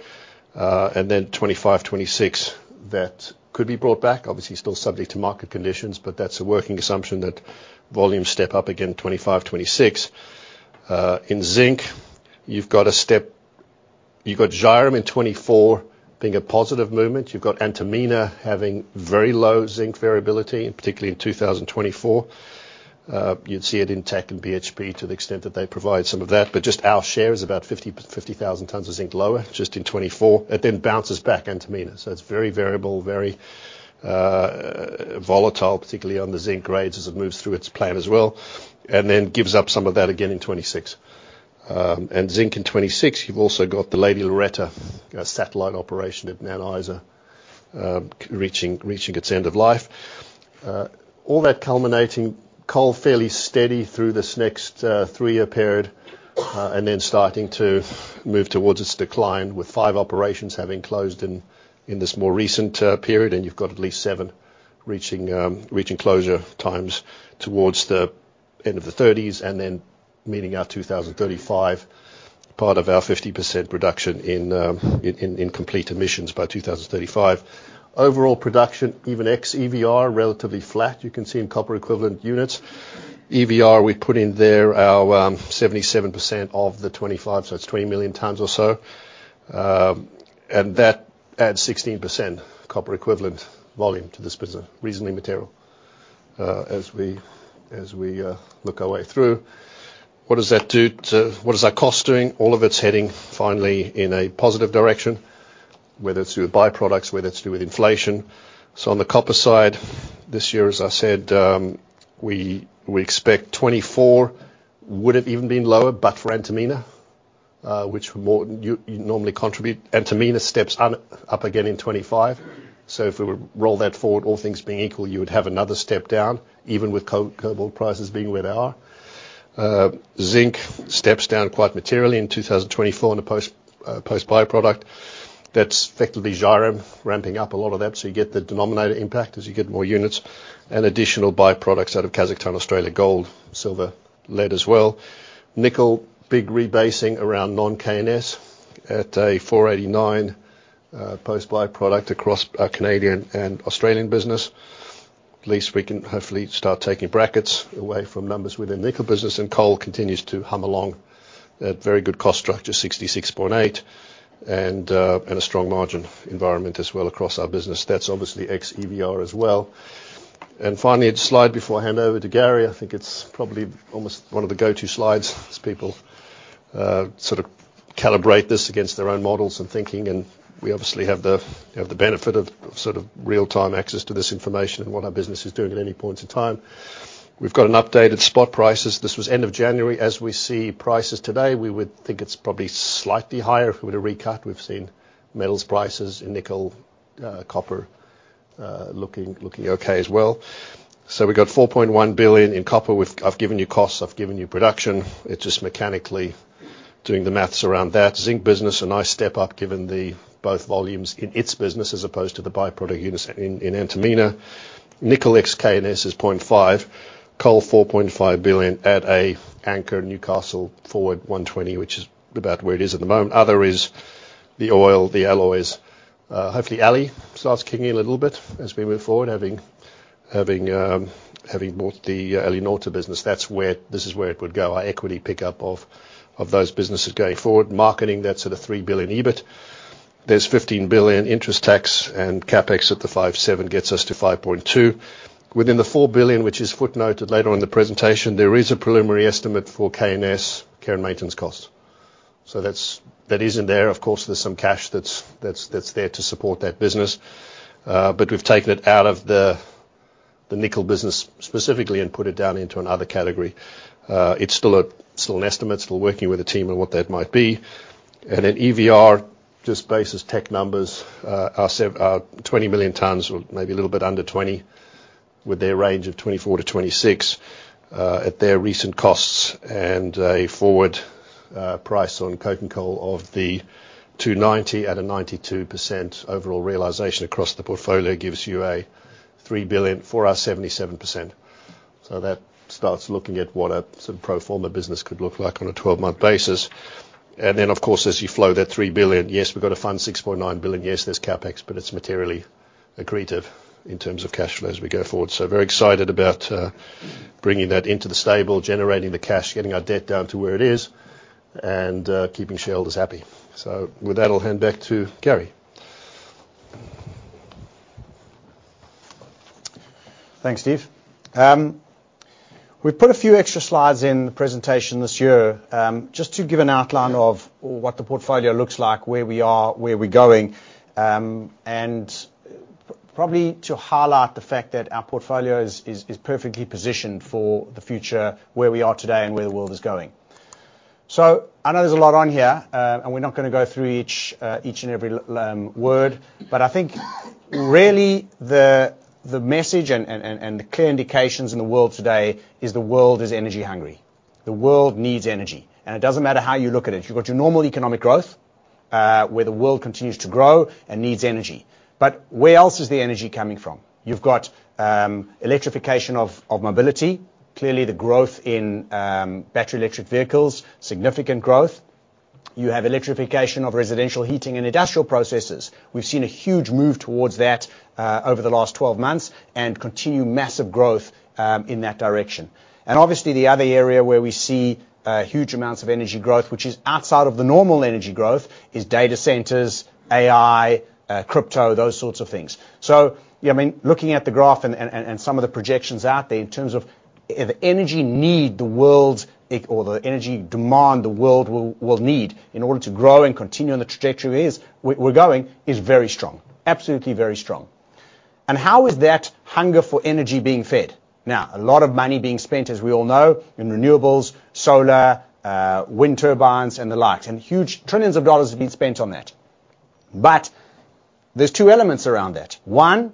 Then 2025, 2026, that could be brought back. Obviously, still subject to market conditions, but that's a working assumption that volumes step up again 2025, 2026. In zinc, you've got a step you've got Zhairem in 2024 being a positive movement. You've got Antamina having very low zinc variability, particularly in 2024. You'd see it in TAC and BHP to the extent that they provide some of that. But just our share is about 50,000 tons of zinc lower just in 2024. It then bounces back Antamina. So it's very variable, very volatile, particularly on the zinc grades as it moves through its plan as well, and then gives up some of that again in 2026. And zinc in 2026, you've also got the Lady Loretta, a satellite operation at Mount Isa reaching its end of life. All that culminating, coal fairly steady through this next three-year period and then starting to move towards its decline with five operations having closed in this more recent period. You've got at least seven reaching closure times towards the end of the 30s and then meeting our 2035 part of our 50% production in complete emissions by 2035. Overall production, even ex-EVR, relatively flat. You can see in copper equivalent units, EVR, we put in there our 77% of the 25, so it's 20 million tons or so. That adds 16% copper equivalent volume to this business, reasonably material, as we look our way through. What does that do to what is our cost doing? All of it's heading finally in a positive direction, whether it's through byproducts, whether it's through with inflation. So on the copper side, this year, as I said, we expect 2024 would have even been lower, but for Antamina, which normally contribute Antamina steps up again in 2025. So if we were to roll that forward, all things being equal, you would have another step down, even with cobalt prices being where they are. Zinc steps down quite materially in 2024 in a post-byproduct. That's effectively Zhairem ramping up a lot of that. So you get the denominator impact as you get more units and additional byproducts out of Kazakhstan, Australia, gold, silver, lead as well. Nickel, big rebasing around non-KNS at a $489 post-byproduct across our Canadian and Australian business. At least we can hopefully start taking brackets away from numbers within the nickel business. And coal continues to hum along at very good cost structure, $66.8, and a strong margin environment as well across our business. That's obviously ex-EVR as well. Finally, a slide before I hand over to Gary. I think it's probably almost one of the go-to slides as people sort of calibrate this against their own models and thinking. We obviously have the benefit of sort of real-time access to this information and what our business is doing at any points in time. We've got an updated spot prices. This was end of January. As we see prices today, we would think it's probably slightly higher if we were to recut. We've seen metals prices in nickel, copper looking okay as well. So we've got $4.1 billion in copper. I've given you costs. I've given you production. It's just mechanically doing the math around that. Zinc business, a nice step up given both volumes in its business as opposed to the byproduct units in Antamina. Nickel ex-KNS is $0.5 billion. Coal, $4.5 billion at an anchor, Newcastle forward $120, which is about where it is at the moment. Other is the oil, the alloys. Hopefully, alloys start kicking in a little bit as we move forward, having brought the alloys Naughton business. This is where it would go, our equity pickup of those businesses going forward. Marketing, that's at a $3 billion EBIT. There's $15 billion interest tax, and CapEx at the $57 gets us to $5.2 billion. Within the $4 billion, which is footnoted later on in the presentation, there is a preliminary estimate for KNS care and maintenance costs. So that is in there. Of course, there's some cash that's there to support that business. But we've taken it out of the nickel business specifically and put it down into another category. It's still an estimate, still working with a team on what that might be. And then EVR, just basis Teck numbers, our 20 million tons or maybe a little bit under 20 with their range of 24-26 at their recent costs and a forward price on coking coal of the $290 at a 92% overall realization across the portfolio gives you a $3 billion, $4 billion out of 77%. So that starts looking at what a sort of pro forma business could look like on a 12-month basis. And then, of course, as you flow that $3 billion, yes, we've got to fund $6.9 billion. Yes, there's CapEx, but it's materially accretive in terms of cash flow as we go forward. So very excited about bringing that into the stable, generating the cash, getting our debt down to where it is, and keeping shareholders happy. So with that, I'll hand back to Gary. Thanks, Steve. We've put a few extra slides in the presentation this year just to give an outline of what the portfolio looks like, where we are, where we're going, and probably to highlight the fact that our portfolio is perfectly positioned for the future, where we are today, and where the world is going. So I know there's a lot on here, and we're not going to go through each and every word. But I think really the message and the clear indications in the world today is the world is energy hungry. The world needs energy. It doesn't matter how you look at it. You've got your normal economic growth where the world continues to grow and needs energy. But where else is the energy coming from? You've got electrification of mobility. Clearly, the growth in battery electric vehicles, significant growth. You have electrification of residential heating and industrial processes. We've seen a huge move towards that over the last 12 months and continue massive growth in that direction. And obviously, the other area where we see huge amounts of energy growth, which is outside of the normal energy growth, is data centers, AI, crypto, those sorts of things. So I mean, looking at the graph and some of the projections out there in terms of the energy need the world or the energy demand the world will need in order to grow and continue on the trajectory we're going is very strong, absolutely very strong. And how is that hunger for energy being fed? Now, a lot of money being spent, as we all know, in renewables, solar, wind turbines, and the likes, and huge trillions of dollars have been spent on that. But there's two elements around that. One,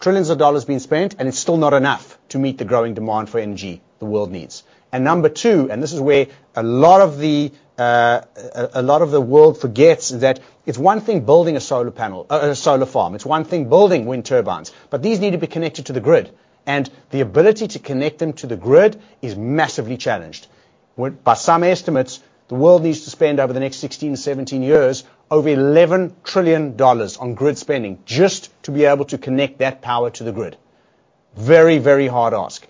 trillions of dollars being spent, and it's still not enough to meet the growing demand for energy the world needs. And number two, and this is where a lot of the a lot of the world forgets that it's one thing building a solar panel, a solar farm. It's one thing building wind turbines. But these need to be connected to the grid. And the ability to connect them to the grid is massively challenged. By some estimates, the world needs to spend over the next 16, 17 years over $11 trillion on grid spending just to be able to connect that power to the grid. Very, very hard ask.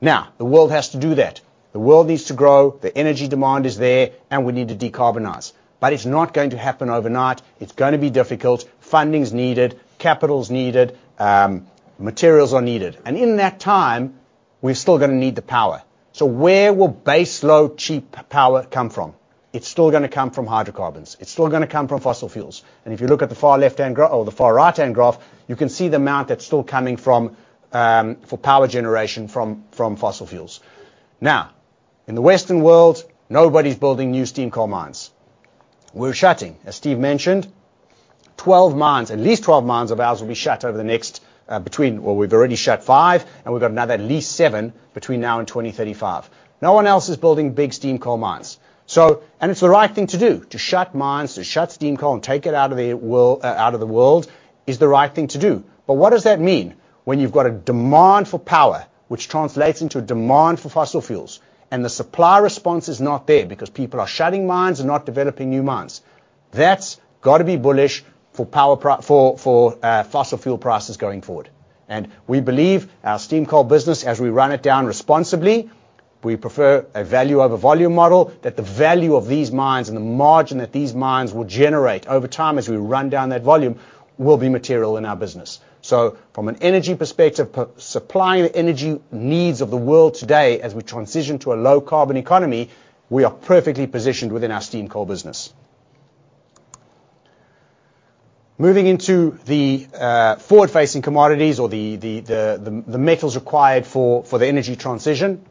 Now, the world has to do that. The world needs to grow. The energy demand is there, and we need to decarbonize. But it's not going to happen overnight. It's going to be difficult. Funding's needed. Capital's needed. Materials are needed. And in that time, we're still going to need the power. So where will base, low, cheap power come from? It's still going to come from hydrocarbons. It's still going to come from fossil fuels. And if you look at the far left-hand or the far right-hand graph, you can see the amount that's still coming for power generation from fossil fuels. Now, in the Western world, nobody's building new steam coal mines. We're shutting, as Steve mentioned, 12 mines; at least 12 mines of ours will be shut over the next between—well, we've already shut five, and we've got another at least seven between now and 2035. No one else is building big steam coal mines. And it's the right thing to do, to shut mines, to shut steam coal and take it out of the world is the right thing to do. But what does that mean when you've got a demand for power which translates into a demand for fossil fuels and the supply response is not there because people are shutting mines and not developing new mines? That's got to be bullish for fossil fuel prices going forward. And we believe our steam coal business, as we run it down responsibly, we prefer a value over volume model that the value of these mines and the margin that these mines will generate over time as we run down that volume will be material in our business. So from an energy perspective, supplying the energy needs of the world today as we transition to a low-carbon economy, we are perfectly positioned within our steam coal business. Moving into the forward-facing commodities or the metals required for the energy transition.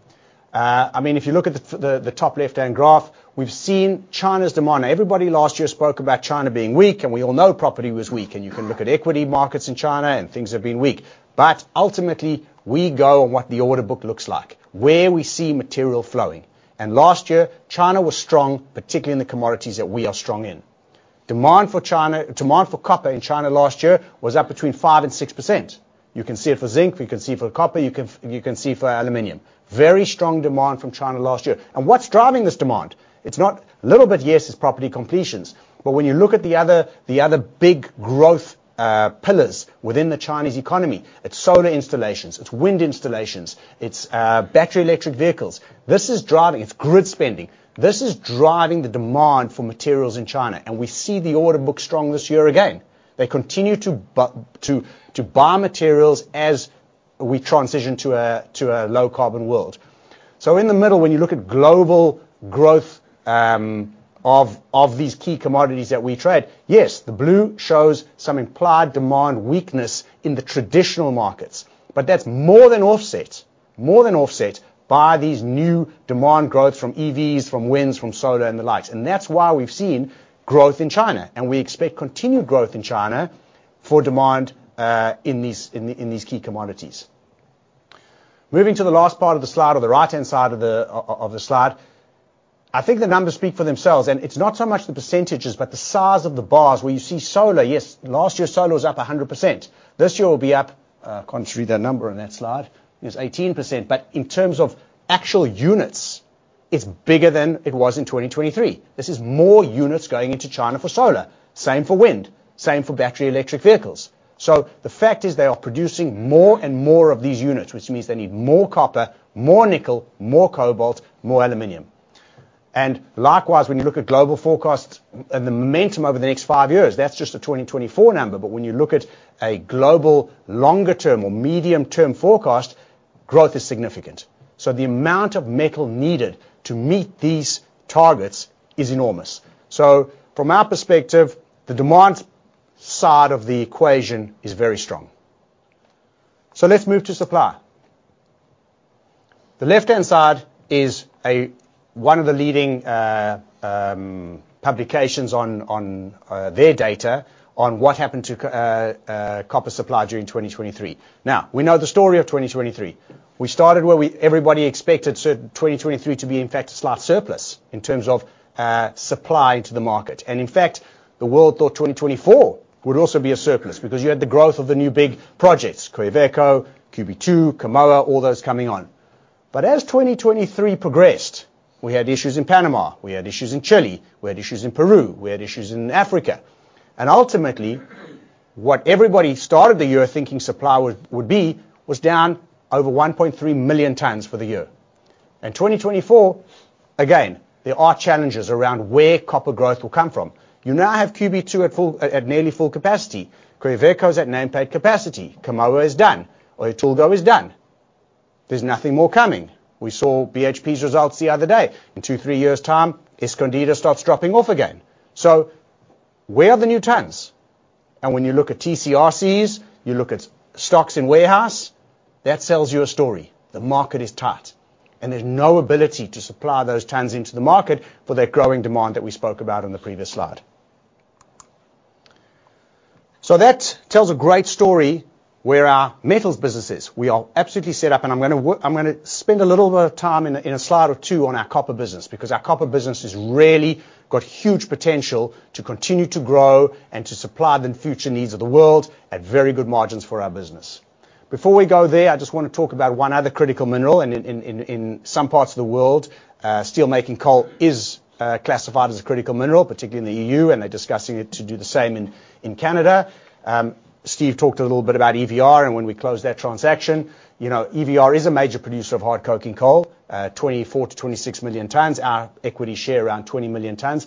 I mean, if you look at the top left-hand graph, we've seen China's demand. Everybody last year spoke about China being weak, and we all know property was weak. You can look at equity markets in China, and things have been weak. But ultimately, we go on what the order book looks like, where we see material flowing. Last year, China was strong, particularly in the commodities that we are strong in. Demand for copper in China last year was up between 5%-6%. You can see it for zinc. You can see it for copper. You can see it for aluminum. Very strong demand from China last year. What's driving this demand? It's not a little bit, yes, it's property completions. But when you look at the other big growth pillars within the Chinese economy, it's solar installations, it's wind installations, it's battery electric vehicles. This is driving its grid spending. This is driving the demand for materials in China. And we see the order book strong this year again. They continue to buy materials as we transition to a low-carbon world. So in the middle, when you look at global growth of these key commodities that we trade, yes, the blue shows some implied demand weakness in the traditional markets. But that's more than offset, more than offset by these new demand growths from EVs, from wind, from solar, and the like. And that's why we've seen growth in China. And we expect continued growth in China for demand in these key commodities. Moving to the last part of the slide or the right-hand side of the slide, I think the numbers speak for themselves. It's not so much the percentages but the size of the bars where you see solar. Yes, last year, solar was up 100%. This year will be up. Can't read that number on that slide. It's 18%. But in terms of actual units, it's bigger than it was in 2023. This is more units going into China for solar, same for wind, same for battery electric vehicles. The fact is they are producing more and more of these units, which means they need more copper, more nickel, more cobalt, more aluminum. Likewise, when you look at global forecasts and the momentum over the next five years, that's just a 2024 number. But when you look at a global longer-term or medium-term forecast, growth is significant. The amount of metal needed to meet these targets is enormous. From our perspective, the demand side of the equation is very strong. Let's move to supply. The left-hand side is one of the leading publications on their data on what happened to copper supply during 2023. Now, we know the story of 2023. We started where everybody expected 2023 to be, in fact, a slight surplus in terms of supply into the market. And in fact, the world thought 2024 would also be a surplus because you had the growth of the new big projects, Quellaveco, QB2, Kamoa, all those coming on. But as 2023 progressed, we had issues in Panama. We had issues in Chile. We had issues in Peru. We had issues in Africa. And ultimately, what everybody started the year thinking supply would be was down over 1.3 million tons for the year. And 2024, again, there are challenges around where copper growth will come from. You now have QB2 at nearly full capacity. Quellaveco's at nameplate capacity. Kamoa is done. Oyu Tolgoi is done. There's nothing more coming. We saw BHP's results the other day. In 2-3 years' time, Escondida starts dropping off again. So where are the new tons? And when you look at TCRCs, you look at stocks in warehouse, that sells you a story. The market is tight, and there's no ability to supply those tons into the market for that growing demand that we spoke about on the previous slide. So that tells a great story where our metals businesses, we are absolutely set up. I'm going to spend a little bit of time in a slide or two on our copper business because our copper business has really got huge potential to continue to grow and to supply the future needs of the world at very good margins for our business. Before we go there, I just want to talk about one other critical mineral. In some parts of the world, steelmaking coal is classified as a critical mineral, particularly in the EU, and they're discussing it to do the same in Canada. Steve talked a little bit about EVR. When we closed that transaction, EVR is a major producer of hard coking coal, 24 million-26 million tons, our equity share around 20 million tons.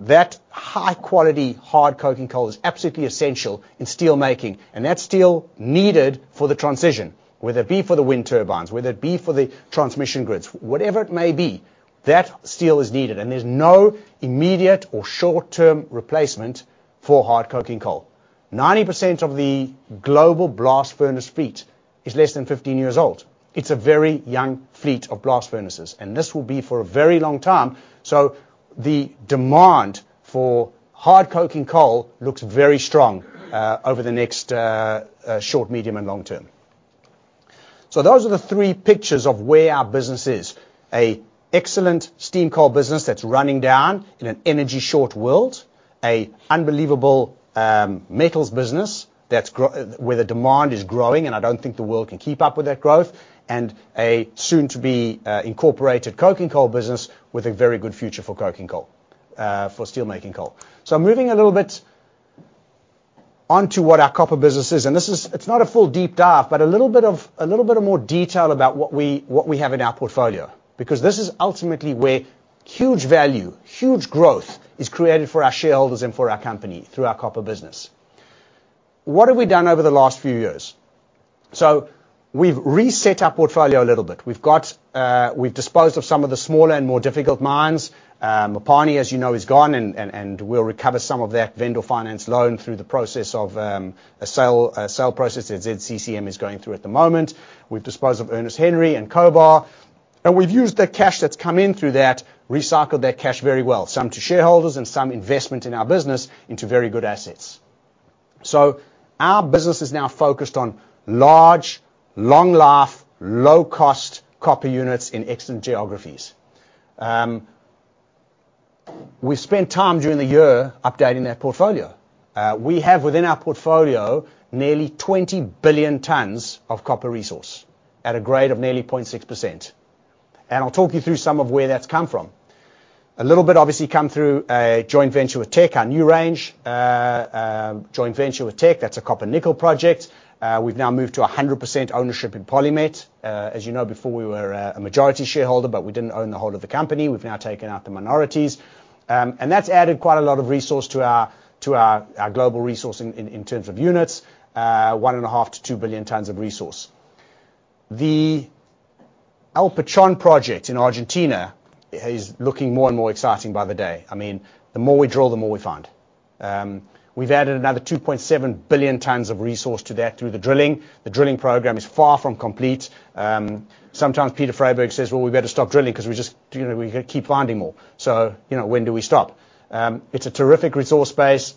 That high-quality hard coking coal is absolutely essential in steelmaking. That steel needed for the transition, whether it be for the wind turbines, whether it be for the transmission grids, whatever it may be, that steel is needed. There's no immediate or short-term replacement for hard coking coal. 90% of the global blast furnace fleet is less than 15 years old. It's a very young fleet of blast furnaces. This will be for a very long time. The demand for hard coking coal looks very strong over the next short, medium, and long term. Those are the three pictures of where our business is: an excellent steam coal business that's running down in an energy-short world, an unbelievable metals business where the demand is growing - and I don't think the world can keep up with that growth - and a soon-to-be incorporated coking coal business with a very good future for steelmaking coal. So moving a little bit onto what our copper business is - and it's not a full deep dive, but a little bit of more detail about what we have in our portfolio - because this is ultimately where huge value, huge growth is created for our shareholders and for our company through our copper business. What have we done over the last few years? So we've reset our portfolio a little bit. We've disposed of some of the smaller and more difficult mines. Mopani, as you know, is gone. And we'll recover some of that vendor finance loan through the process of a sale process that ZCCM is going through at the moment. We've disposed of Ernest Henry and Cobar. And we've used the cash that's come in through that, recycled that cash very well, some to shareholders and some investment in our business into very good assets. So our business is now focused on large, long-life, low-cost copper units in excellent geographies. We've spent time during the year updating that portfolio. We have, within our portfolio, nearly 20 billion tons of copper resource at a grade of nearly 0.6%. And I'll talk you through some of where that's come from. A little bit, obviously, come through a joint venture with Teck, our NewRange joint venture with Teck. That's a copper-nickel project. We've now moved to 100% ownership in PolyMet. As you know, before, we were a majority shareholder, but we didn't own the whole of the company. We've now taken out the minorities. And that's added quite a lot of resource to our global resource in terms of units, 1.5 billion-2 billion tons of resource. The El Pachón project in Argentina is looking more and more exciting by the day. I mean, the more we drill, the more we find. We've added another 2.7 billion tons of resource to that through the drilling. The drilling program is far from complete. Sometimes Peter Freyberg says, "Well, we better stop drilling because we can keep finding more. So when do we stop?" It's a terrific resource base.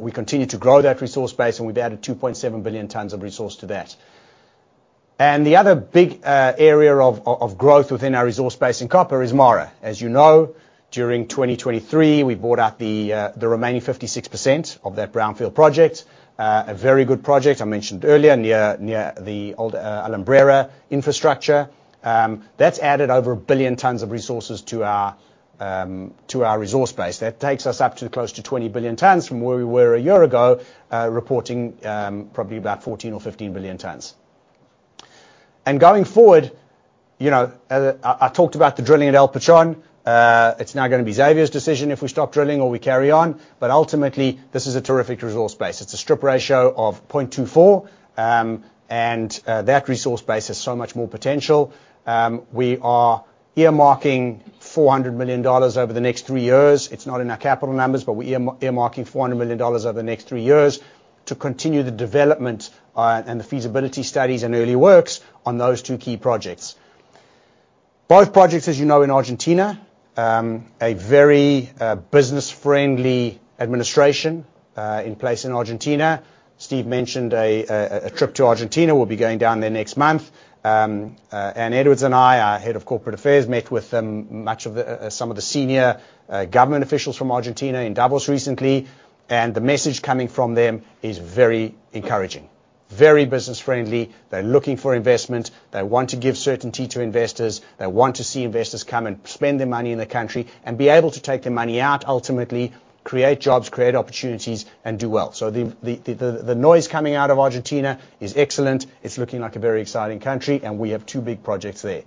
We continue to grow that resource base, and we've added 2.7 billion tons of resource to that. The other big area of growth within our resource base in copper is MARA. As you know, during 2023, we bought out the remaining 56% of that brownfield project, a very good project I mentioned earlier near the old Alumbrera infrastructure. That's added over a billion tons of resources to our resource base. That takes us up to close to 20 billion tons from where we were a year ago, reporting probably about 14 or 15 billion tons. Going forward, I talked about the drilling at El Pachón. It's now going to be Xavier's decision if we stop drilling or we carry on. But ultimately, this is a terrific resource base. It's a strip ratio of 0.24. That resource base has so much more potential. We are earmarking $400 million over the next three years. It's not in our capital numbers, but we're earmarking $400 million over the next three years to continue the development and the feasibility studies and early works on those two key projects. Both projects, as you know, in Argentina, a very business-friendly administration in place in Argentina. Steve mentioned a trip to Argentina. We'll be going down there next month. Ann Edwards and I, our head of corporate affairs, met with some of the senior government officials from Argentina in Davos recently. The message coming from them is very encouraging, very business-friendly. They're looking for investment. They want to give certainty to investors. They want to see investors come and spend their money in the country and be able to take their money out, ultimately create jobs, create opportunities, and do well. The noise coming out of Argentina is excellent. It's looking like a very exciting country. We have two big projects there.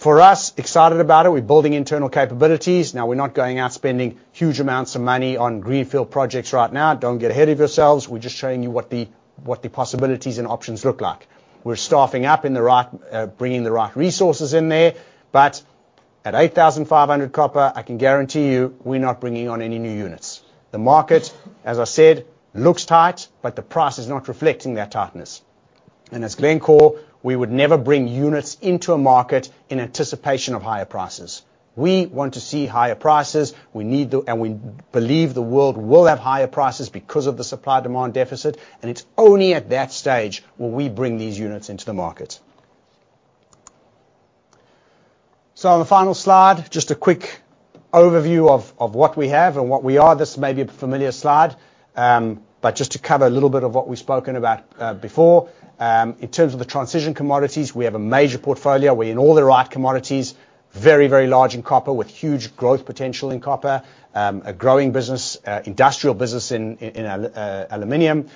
For us, excited about it. We're building internal capabilities. Now, we're not going out spending huge amounts of money on greenfield projects right now. Don't get ahead of yourselves. We're just showing you what the possibilities and options look like. We're staffing up, bringing the right resources in there. But at $8,500 copper, I can guarantee you we're not bringing on any new units. The market, as I said, looks tight, but the price is not reflecting that tightness. As Glencore, we would never bring units into a market in anticipation of higher prices. We want to see higher prices. We need the and we believe the world will have higher prices because of the supply-demand deficit. It's only at that stage will we bring these units into the market. On the final slide, just a quick overview of what we have and what we are. This may be a familiar slide. But just to cover a little bit of what we've spoken about before, in terms of the transition commodities, we have a major portfolio. We're in all the right commodities, very, very large in copper with huge growth potential in copper, a growing industrial business in aluminum,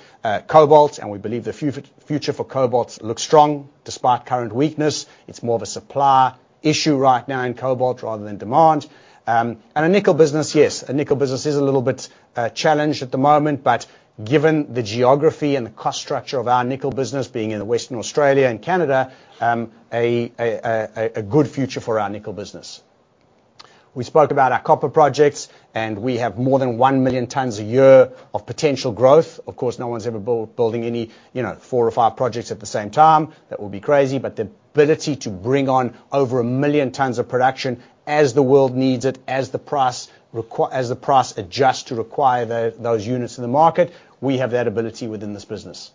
cobalt. We believe the future for cobalt looks strong despite current weakness. It's more of a supply issue right now in cobalt rather than demand. And a nickel business, yes, a nickel business is a little bit challenged at the moment. But given the geography and the cost structure of our nickel business being in Western Australia and Canada, a good future for our nickel business. We spoke about our copper projects. We have more than 1 million tons a year of potential growth. Of course, no one's ever building any four or five projects at the same time. That would be crazy. But the ability to bring on over 1 million tons of production as the world needs it, as the price adjusts to require those units in the market, we have that ability within this business.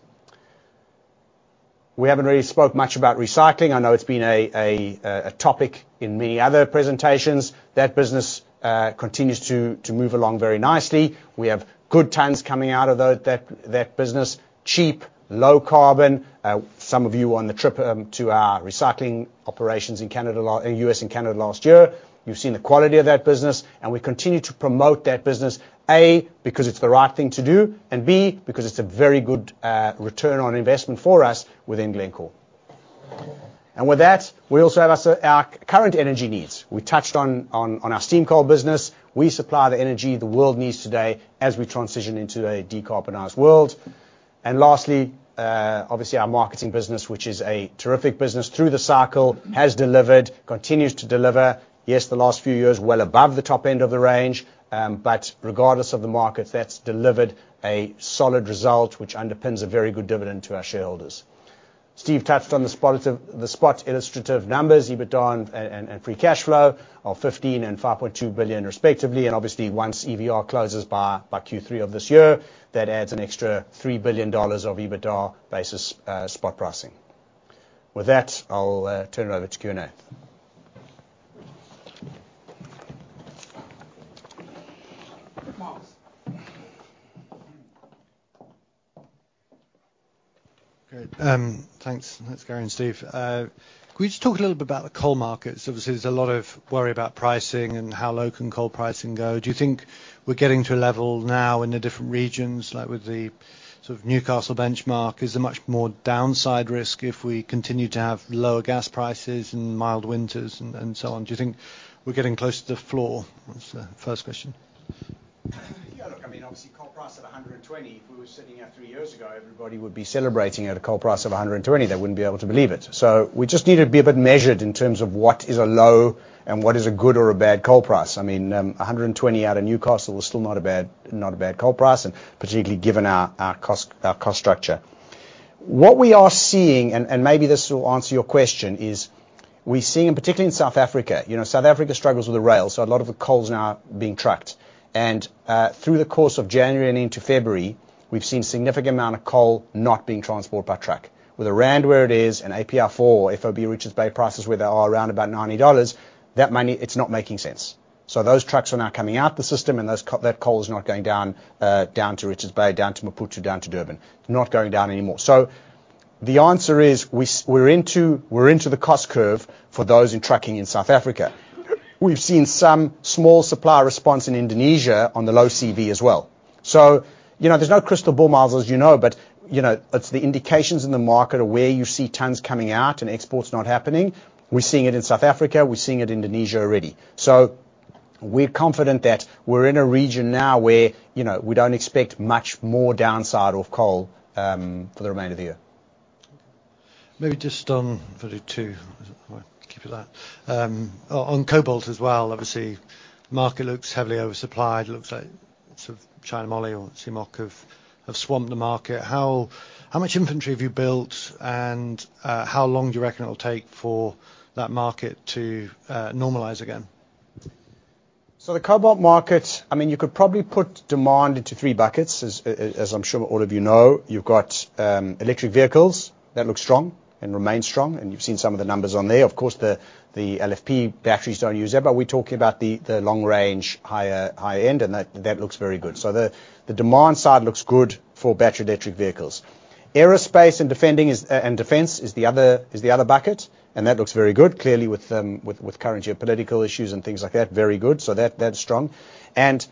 We haven't really spoke much about recycling. I know it's been a topic in many other presentations. That business continues to move along very nicely. We have good tons coming out of that business, cheap, low-carbon. Some of you on the trip to our recycling operations in U.S. and Canada last year, you've seen the quality of that business. And we continue to promote that business, A, because it's the right thing to do, and B, because it's a very good return on investment for us within Glencore. And with that, we also have our current energy needs. We touched on our steam coal business. We supply the energy the world needs today as we transition into a decarbonized world. And lastly, obviously, our marketing business, which is a terrific business through the cycle, has delivered, continues to deliver, yes, the last few years well above the top end of the range. But regardless of the markets, that's delivered a solid result, which underpins a very good dividend to our shareholders. Steve touched on the spot illustrative numbers, EBITDA and free cash flow of $15 billion and $5.2 billion, respectively. And obviously, once EVR closes by Q3 of this year, that adds an extra $3 billion of EBITDA basis spot pricing. With that, I'll turn it over to Q&A. Good mornings. Great. Thanks. Thanks, Gary and Steve. Can we just talk a little bit about the coal markets? Obviously, there's a lot of worry about pricing and how low can coal pricing go. Do you think we're getting to a level now in the different regions, like with the sort of Newcastle benchmark, is there much more downside risk if we continue to have lower gas prices and mild winters and so on? Do you think we're getting close to the floor? That's the first question. Yeah. Look, I mean, obviously, coal price at $120, if we were sitting here three years ago, everybody would be celebrating at a coal price of $120. They wouldn't be able to believe it. So we just need to be a bit measured in terms of what is a low and what is a good or a bad coal price. I mean, $120 out of Newcastle is still not a bad coal price, particularly given our cost structure. What we are seeing, and maybe this will answer your question, is we're seeing, and particularly in South Africa, South Africa struggles with the rail. So a lot of the coal's now being trucked. And through the course of January and into February, we've seen a significant amount of coal not being transported by truck. With a rand where it is and APR4 or FOB Richards Bay prices, where they are around about $90, it's not making sense. So those trucks are now coming out the system, and that coal is not going down to Richards Bay, down to Maputo, down to Durban. Not going down anymore. So the answer is we're into the cost curve for those in trucking in South Africa. We've seen some small supply response in Indonesia on the low CV as well. So there's no crystal ball, Miles, as you know. But it's the indications in the market of where you see tons coming out and exports not happening. We're seeing it in South Africa. We're seeing it in Indonesia already. So we're confident that we're in a region now where we don't expect much more downside of coal for the remainder of the year. Maybe just on 32, I'll keep it at that. On cobalt as well, obviously, the market looks heavily oversupplied. It looks like sort of China Moly or CMOC have swamped the market. How much inventory have you built, and how long do you reckon it'll take for that market to normalize again? So the cobalt market, I mean, you could probably put demand into three buckets, as I'm sure all of you know. You've got electric vehicles. That looks strong and remains strong. And you've seen some of the numbers on there. Of course, the LFP batteries don't use that. But we're talking about the long-range, higher end, and that looks very good. So the demand side looks good for battery-electric vehicles. Aerospace and defense is the other bucket, and that looks very good, clearly, with current geopolitical issues and things like that. Very good. So that's strong. And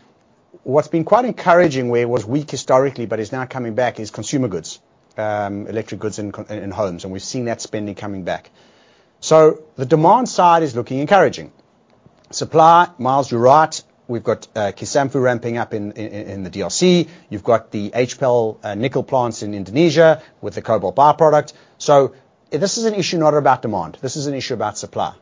what's been quite encouraging where it was weak historically but is now coming back is consumer goods, electric goods in homes. And we've seen that spending coming back. So the demand side is looking encouraging. Supply, Miles, you're right. We've got Kisanfu ramping up in the DRC. You've got the HPAL nickel plants in Indonesia with the cobalt byproduct. So this is an issue not about demand. This is an issue about supply.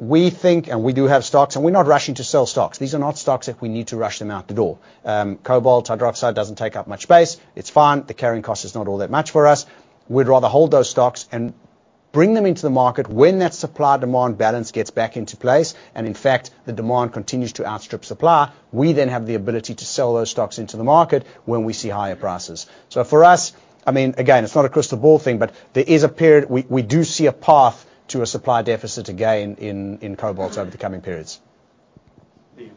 We think, and we do have stocks, and we're not rushing to sell stocks. These are not stocks that we need to rush them out the door. Cobalt hydroxide doesn't take up much space. It's fine. The carrying cost is not all that much for us. We'd rather hold those stocks and bring them into the market when that supply-demand balance gets back into place. And in fact, the demand continues to outstrip supply. We then have the ability to sell those stocks into the market when we see higher prices. So for us, I mean, again, it's not a crystal ball thing, but there is a period we do see a path to a supply deficit again in cobalt over the coming periods. Liam.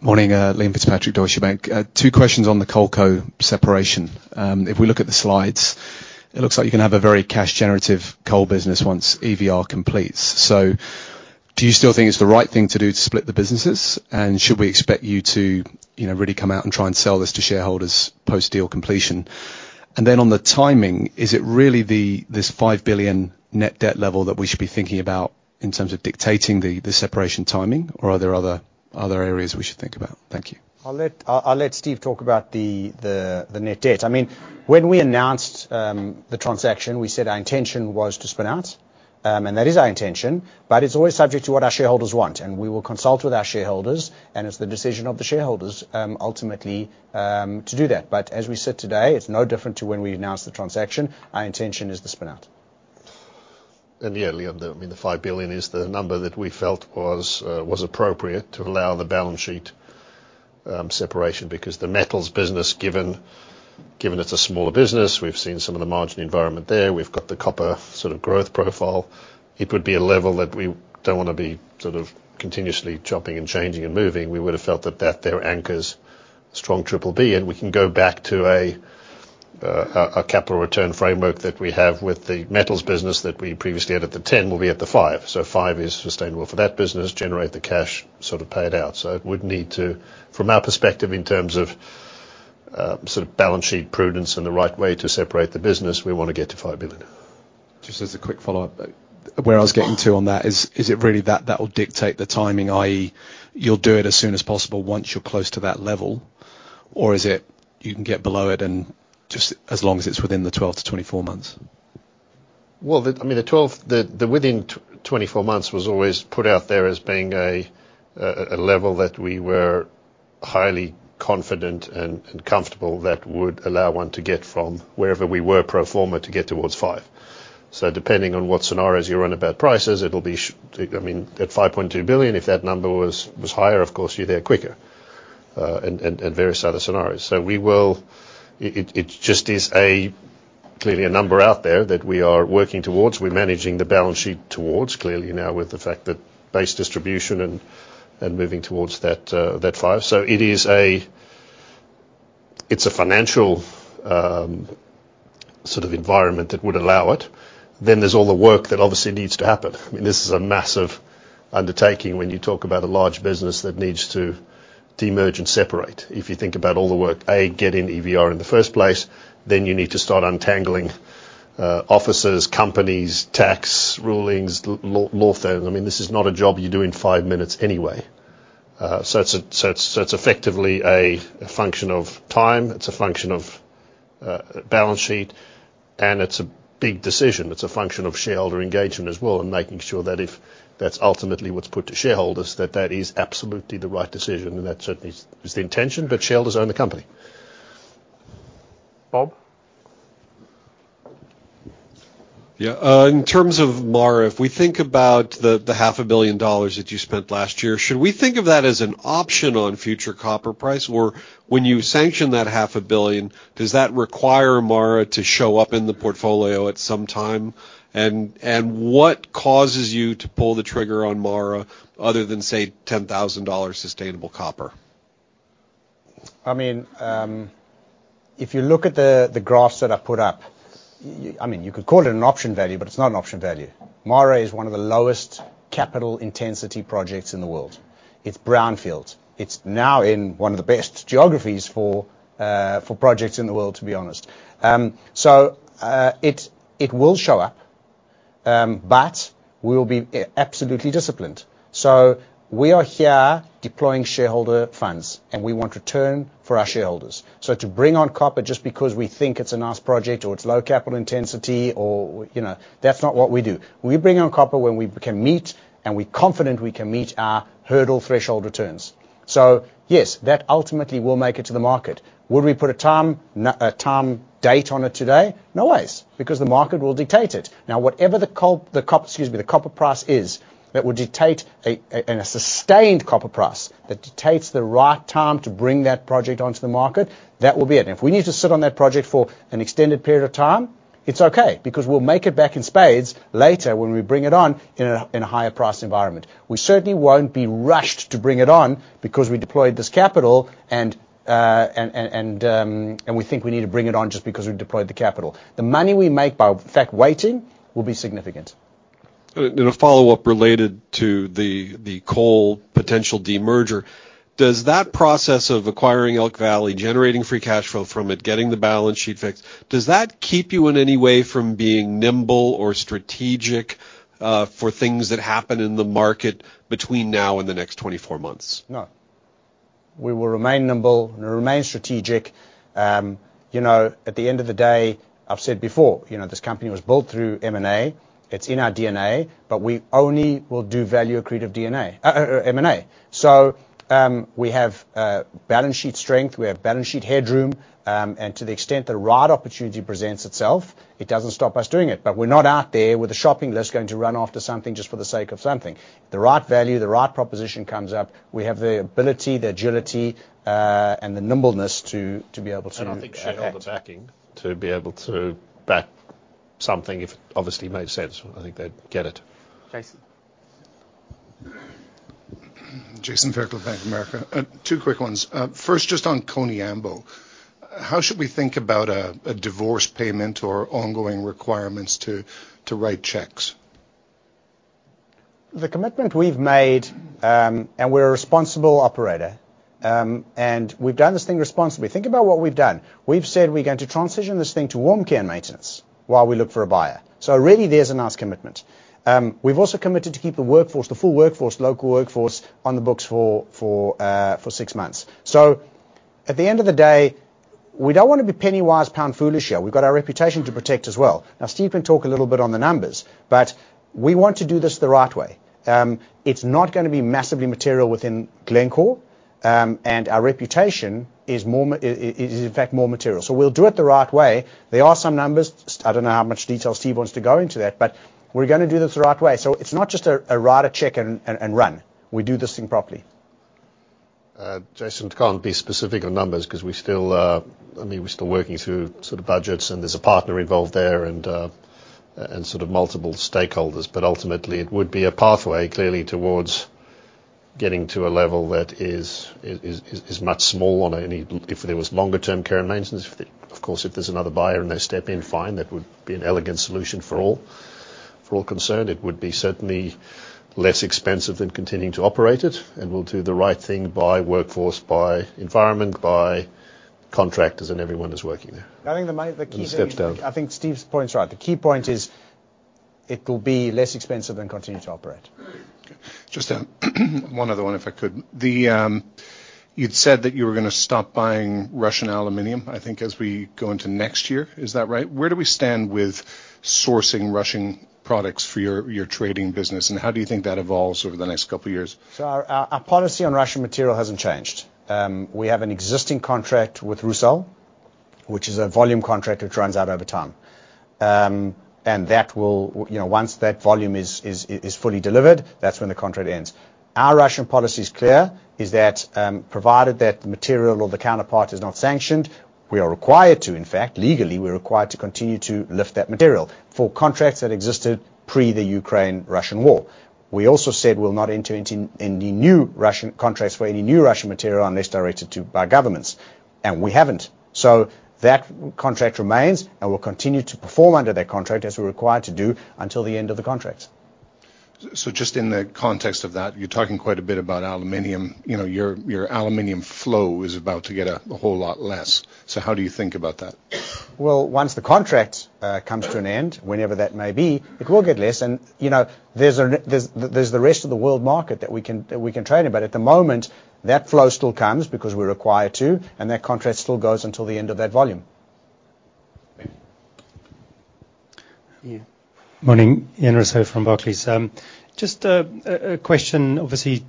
Morning, Liam Fitzpatrick, Deutsche Bank. Two questions on the coal-co separation. If we look at the slides, it looks like you can have a very cash-generative coal business once EVR completes. So do you still think it's the right thing to do to split the businesses? And should we expect you to really come out and try and sell this to shareholders post-deal completion? And then on the timing, is it really this $5 billion net debt level that we should be thinking about in terms of dictating the separation timing, or are there other areas we should think about? Thank you. I'll let Steve talk about the net debt. I mean, when we announced the transaction, we said our intention was to spin out. That is our intention. But it's always subject to what our shareholders want. We will consult with our shareholders. It's the decision of the shareholders, ultimately, to do that. But as we sit today, it's no different to when we announced the transaction. Our intention is to spin out. Yeah, Liam, I mean, the $5 billion is the number that we felt was appropriate to allow the balance sheet separation because the metals business, given it's a smaller business, we've seen some of the margin environment there. We've got the copper sort of growth profile. It would be a level that we don't want to be sort of continuously jumping and changing and moving. We would have felt that their anchor's strong triple B. And we can go back to a capital return framework that we have with the metals business that we previously had at the $10 billion. We'll be at the $5 billion. So $5 billion is sustainable for that business, generate the cash, sort of pay it out. It would need to, from our perspective, in terms of sort of balance sheet prudence and the right way to separate the business, we want to get to $5 billion. Just as a quick follow-up, where I was getting to on that, is it really that that will dictate the timing, i.e., you'll do it as soon as possible once you're close to that level, or is it you can get below it just as long as it's within the 12-24 months? Well, I mean, the within 24 months was always put out there as being a level that we were highly confident and comfortable that would allow one to get from wherever we were pro forma to get towards $5 billion. So depending on what scenarios you run about prices, it'll be I mean, at $5.2 billion, if that number was higher, of course, you're there quicker and various other scenarios. So it just is clearly a number out there that we are working towards. We're managing the balance sheet towards, clearly, now with the fact that base distribution and moving towards that $5 billion. So it's a financial sort of environment that would allow it. Then there's all the work that obviously needs to happen. I mean, this is a massive undertaking when you talk about a large business that needs to demerge and separate. If you think about all the work, getting EVR in the first place, then you need to start untangling offices, companies, tax rulings, law firms. I mean, this is not a job you do in five minutes anyway. It's effectively a function of time. It's a function of balance sheet. It's a big decision. It's a function of shareholder engagement as well and making sure that if that's ultimately what's put to shareholders, that that is absolutely the right decision. That certainly is the intention. But shareholders own the company. Bob? Yeah. In terms of MARA, if we think about the $500 million that you spent last year, should we think of that as an option on future copper price? Or when you sanction that $500 million, does that require MARA to show up in the portfolio at some time? And what causes you to pull the trigger on MARA other than, say, $10,000 sustainable copper? I mean, if you look at the graphs that I put up, I mean, you could call it an option value, but it's not an option value. MARA is one of the lowest capital intensity projects in the world. It's brownfield. It's now in one of the best geographies for projects in the world, to be honest. So it will show up, but we will be absolutely disciplined. So we are here deploying shareholder funds, and we want return for our shareholders. So to bring on copper just because we think it's a nice project or it's low capital intensity, that's not what we do. We bring on copper when we can meet and we're confident we can meet our hurdle threshold returns. So yes, that ultimately will make it to the market. Would we put a time date on it today? No ways, because the market will dictate it. Now, whatever the copper price is—excuse me, the copper price is—that will dictate a sustained copper price, that dictates the right time to bring that project onto the market, that will be it. And if we need to sit on that project for an extended period of time, it's okay because we'll make it back in spades later when we bring it on in a higher-priced environment. We certainly won't be rushed to bring it on because we deployed this capital, and we think we need to bring it on just because we deployed the capital. The money we make by, in fact, waiting will be significant. In a follow-up related to the coal potential demerger, does that process of acquiring Elk Valley, generating free cash flow from it, getting the balance sheet fixed, does that keep you in any way from being nimble or strategic for things that happen in the market between now and the next 24 months? No. We will remain nimble and remain strategic. At the end of the day, I've said before, this company was built through M&A. It's in our DNA. But we only will do value accretive DNA or M&A. So we have balance sheet strength. We have balance sheet headroom. And to the extent the right opportunity presents itself, it doesn't stop us doing it. But we're not out there with a shopping list going to run after something just for the sake of something. The right value, the right proposition comes up, we have the ability, the agility, and the nimbleness to be able to. I think shareholder backing to be able to back something if it obviously makes sense. I think they'd get it. Jason. Jason Fairclough, Bank of America. Two quick ones. First, just on Koniambo. How should we think about a divorce payment or ongoing requirements to write checks? The commitment we've made, and we're a responsible operator. We've done this thing responsibly. Think about what we've done. We've said we're going to transition this thing to warm care and maintenance while we look for a buyer. So really, there's a nice commitment. We've also committed to keep the workforce, the full workforce, local workforce, on the books for six months. So at the end of the day, we don't want to be penny-wise, pound-foolish here. We've got our reputation to protect as well. Now, Steve can talk a little bit on the numbers, but we want to do this the right way. It's not going to be massively material within Glencore. Our reputation is, in fact, more material. So we'll do it the right way. There are some numbers. I don't know how much detail Steve wants to go into that, but we're going to do this the right way. So it's not just write a check and run. We do this thing properly. Jason, can't be specific on numbers because I mean, we're still working through sort of budgets, and there's a partner involved there and sort of multiple stakeholders. But ultimately, it would be a pathway, clearly, towards getting to a level that is much smaller than any if there was longer-term Care and Maintenance. Of course, if there's another buyer and they step in, fine. That would be an elegant solution for all concerned. It would be certainly less expensive than continuing to operate it. And we'll do the right thing by workforce, by environment, by contractors, and everyone who's working there. I think the key thing is. Steps down. I think Steve's point's right. The key point is it will be less expensive than continuing to operate. Just one other one, if I could. You'd said that you were going to stop buying Russian aluminum, I think, as we go into next year. Is that right? Where do we stand with sourcing Russian products for your trading business? And how do you think that evolves over the next couple of years? Our policy on Russian material hasn't changed. We have an existing contract with Rusal, which is a volume contract which runs out over time. Once that volume is fully delivered, that's when the contract ends. Our Russian policy is clear is that provided that material or the counterpart is not sanctioned, we are required to in fact, legally, we're required to continue to lift that material for contracts that existed pre the Ukraine-Russian war. We also said we'll not enter any new Russian contracts for any new Russian material unless directed by governments. And we haven't. That contract remains, and we'll continue to perform under that contract as we're required to do until the end of the contract. So just in the context of that, you're talking quite a bit about aluminum. Your aluminum flow is about to get a whole lot less. So how do you think about that? Well, once the contract comes to an end, whenever that may be, it will get less. And there's the rest of the world market that we can trade in. But at the moment, that flow still comes because we're required to. And that contract still goes until the end of that volume. Morning, Ian Rossouw from Barclays. Just a question. Obviously,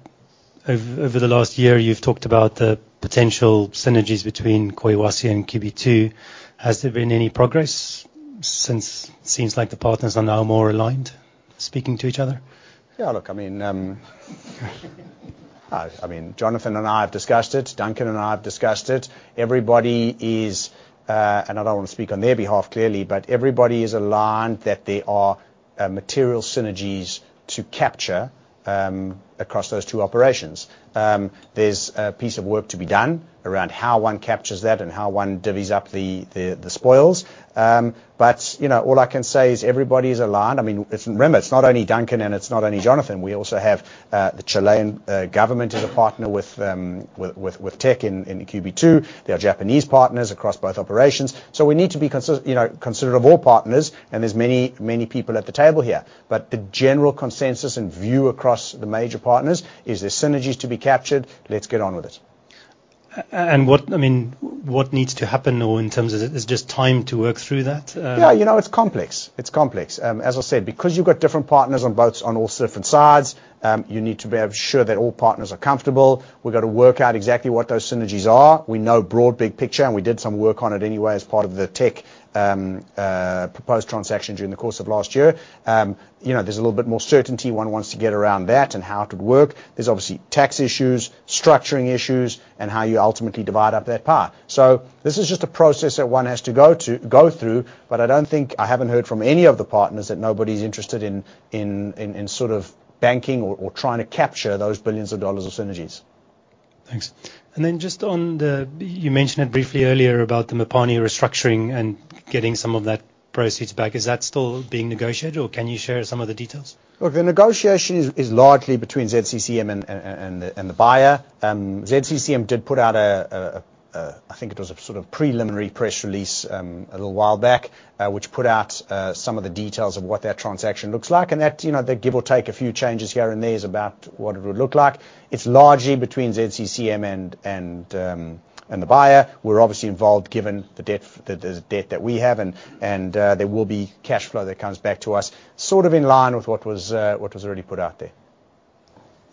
over the last year, you've talked about the potential synergies between Collahuasi and QB2. Has there been any progress since it seems like the partners are now more aligned speaking to each other? Yeah. Look, I mean, Jonathan and I have discussed it. Duncan and I have discussed it. And I don't want to speak on their behalf, clearly, but everybody is aligned that there are material synergies to capture across those two operations. There's a piece of work to be done around how one captures that and how one divvies up the spoils. But all I can say is everybody is aligned. I mean, remember, it's not only Duncan, and it's not only Jonathan. We also have the Chilean government as a partner with Teck in QB2. They are Japanese partners across both operations. So we need to be considerate of all partners. And there's many, many people at the table here. But the general consensus and view across the major partners is there's synergies to be captured. Let's get on with it. I mean, what needs to happen though in terms of is just time to work through that? Yeah. It's complex. It's complex. As I said, because you've got different partners on all different sides, you need to be sure that all partners are comfortable. We've got to work out exactly what those synergies are. We know broad, big picture, and we did some work on it anyway as part of the Teck proposed transaction during the course of last year. There's a little bit more certainty one wants to get around that and how it would work. There's obviously tax issues, structuring issues, and how you ultimately divide up that path. So this is just a process that one has to go through. But I don't think I haven't heard from any of the partners that nobody's interested in sort of banking or trying to capture those billions of dollars of synergies. Thanks. Then just on the you mentioned it briefly earlier about the Mopani restructuring and getting some of that proceeds back. Is that still being negotiated, or can you share some of the details? Look, the negotiation is largely between ZCCM and the buyer. ZCCM did put out a, I think it was a sort of preliminary press release a little while back which put out some of the details of what that transaction looks like. And there, give or take a few changes here and there, about what it would look like. It's largely between ZCCM and the buyer. We're obviously involved given the debt that we have. And there will be cash flow that comes back to us sort of in line with what was already put out there.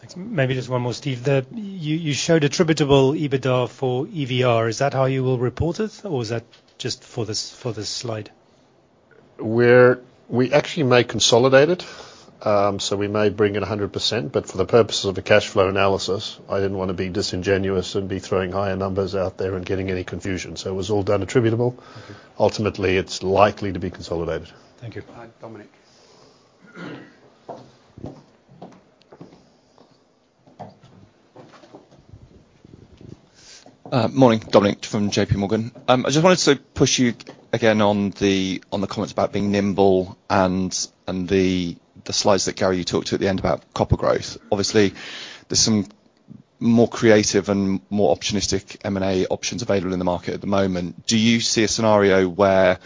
Thanks. Maybe just one more, Steve. You showed attributable EBITDA for EVR. Is that how you will report it, or is that just for this slide? We actually may consolidate it. So we may bring in 100%. But for the purposes of a cash flow analysis, I didn't want to be disingenuous and be throwing higher numbers out there and getting any confusion. So it was all done attributable. Ultimately, it's likely to be consolidated. Thank you. Hi, Dominic. Morning, Dominic from JPMorgan. I just wanted to push you again on the comments about being nimble and the slides that Gary, you talked to at the end about copper growth. Obviously, there's some more creative and more optimistic M&A options available in the market at the moment. Do you see a scenario where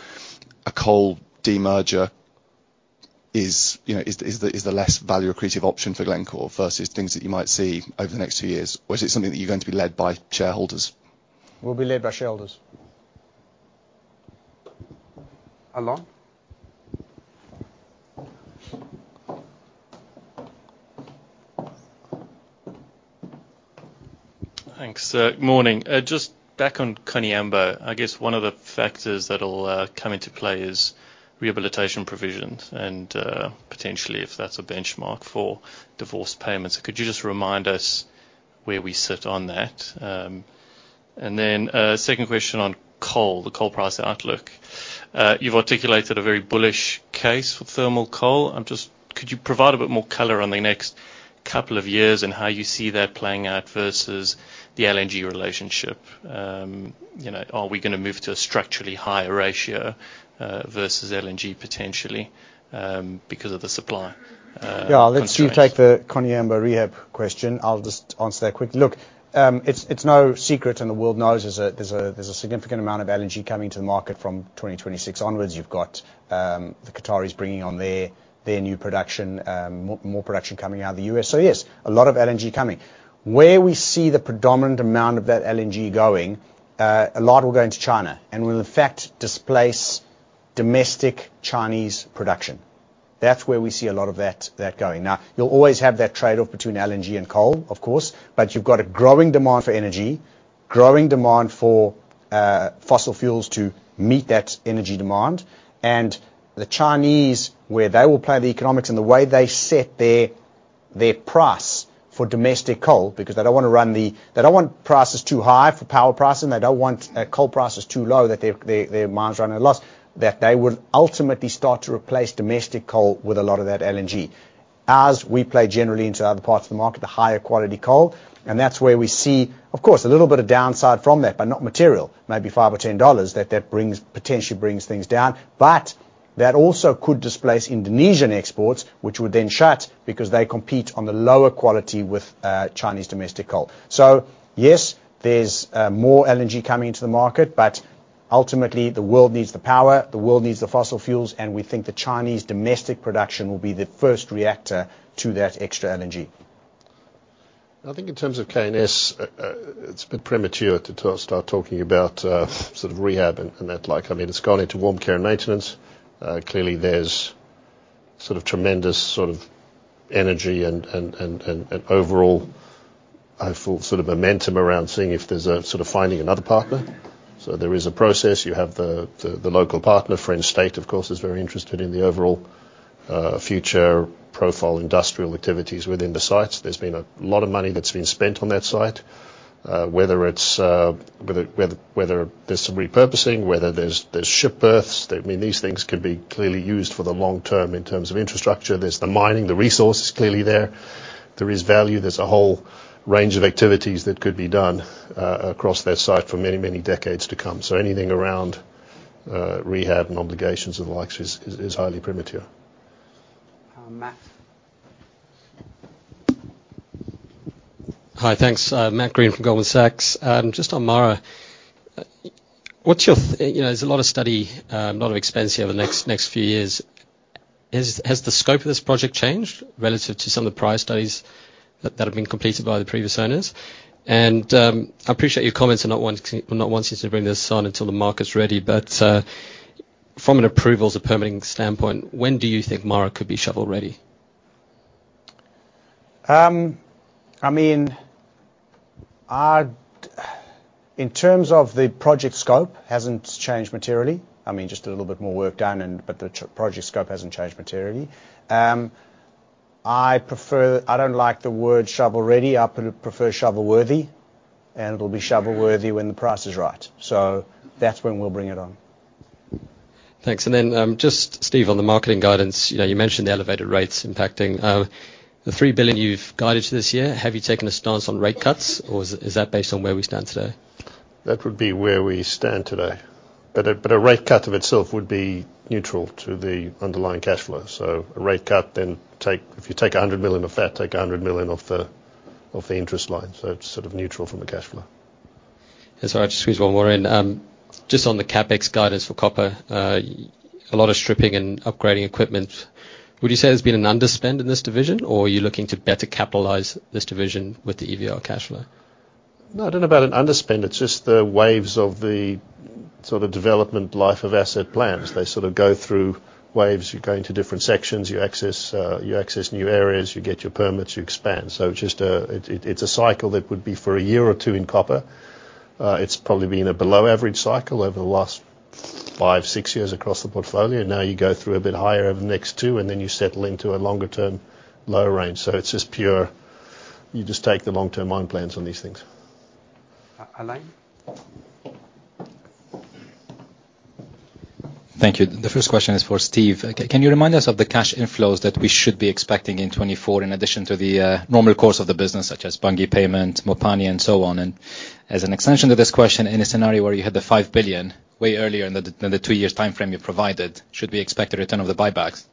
a coal demerger is the less value accretive option for Glencore versus things that you might see over the next two years? Or is it something that you're going to be led by shareholders? We'll be led by shareholders. Alain? Thanks. Morning. Just back on Koniambo, I guess one of the factors that'll come into play is rehabilitation provisions and potentially if that's a benchmark for divestment payments. So could you just remind us where we sit on that? And then second question on coal, the coal price outlook. You've articulated a very bullish case for thermal coal. Could you provide a bit more color on the next couple of years and how you see that playing out versus the LNG relationship? Are we going to move to a structurally higher ratio versus LNG potentially because of the supply? Yeah. I'll let Steve take the Koniambo rehab question. I'll just answer that quickly. Look, it's no secret, and the world knows there's a significant amount of LNG coming to the market from 2026 onwards. You've got the Qataris bringing on their new production, more production coming out of the U.S. So yes, a lot of LNG coming. Where we see the predominant amount of that LNG going, a lot will go into China and will, in fact, displace domestic Chinese production. That's where we see a lot of that going. Now, you'll always have that trade-off between LNG and coal, of course, but you've got a growing demand for energy, growing demand for fossil fuels to meet that energy demand. And the Chinese, where they will play the economics and the way they set their price for domestic coal because they don't want to run they don't want prices too high for power prices, and they don't want coal prices too low that their mines run at a loss, that they will ultimately start to replace domestic coal with a lot of that LNG. As we play generally into other parts of the market, the higher quality coal. And that's where we see, of course, a little bit of downside from that, but not material, maybe $5 or $10 that potentially brings things down. But that also could displace Indonesian exports, which would then shut because they compete on the lower quality with Chinese domestic coal. So yes, there's more LNG coming into the market, but ultimately, the world needs the power. The world needs the fossil fuels. We think the Chinese domestic production will be the first reactor to that extra LNG. I think in terms of K&S, it's a bit premature to start talking about sort of rehab and that like. I mean, it's gone into warm care and maintenance. Clearly, there's sort of tremendous sort of energy and overall, I feel, sort of momentum around seeing if there's a sort of finding another partner. So there is a process. You have the local partner. French State, of course, is very interested in the overall future profile industrial activities within the sites. There's been a lot of money that's been spent on that site, whether it's whether there's some repurposing, whether there's ship berths. I mean, these things could be clearly used for the long term in terms of infrastructure. There's the mining. The resource is clearly there. There is value. There's a whole range of activities that could be done across that site for many, many decades to come. Anything around rehab and obligations and the likes is highly premature. Matt? Hi. Thanks. Matt Greene from Goldman Sachs. Just on MARA, what's your—there's a lot of study, a lot of expense here over the next few years. Has the scope of this project changed relative to some of the prior studies that have been completed by the previous owners? And I appreciate your comments and not wanting to bring this on until the market's ready. But from an approvals or permitting standpoint, when do you think MARA could be shovel-ready? I mean, in terms of the project scope, it hasn't changed materially. I mean, just a little bit more work done, but the project scope hasn't changed materially. I don't like the word shovel-ready. I prefer shovel-worthy. And it'll be shovel-worthy when the price is right. So that's when we'll bring it on. Thanks. And then just Steve, on the marketing guidance, you mentioned the elevated rates impacting. The $3 billion you've guided to this year, have you taken a stance on rate cuts, or is that based on where we stand today? That would be where we stand today. But a rate cut of itself would be neutral to the underlying cash flow. So a rate cut, then if you take $100 million off that, take $100 million off the interest line. So it's sort of neutral from the cash flow. Sorry, I'll just squeeze one more in. Just on the CapEx guidance for copper, a lot of stripping and upgrading equipment. Would you say there's been an underspend in this division, or are you looking to better capitalize this division with the EVR cash flow? No, I don't know about an underspend. It's just the waves of the sort of development life of asset plans. They sort of go through waves. You go into different sections. You access new areas. You get your permits. You expand. So it's a cycle that would be for one year or two in copper. It's probably been a below-average cycle over the last 5-6 years across the portfolio. Now you go through a bit higher over the next two, and then you settle into a longer-term low range. So it's just pure you just take the long-term mine plans on these things. Alain? Thank you. The first question is for Steve. Can you remind us of the cash inflows that we should be expecting in 2024 in addition to the normal course of the business such as Bunge payment, Mopani, and so on? And as an extension to this question, in a scenario where you had the $5 billion way earlier in the two-year timeframe you provided, should we expect a return of the buybacks?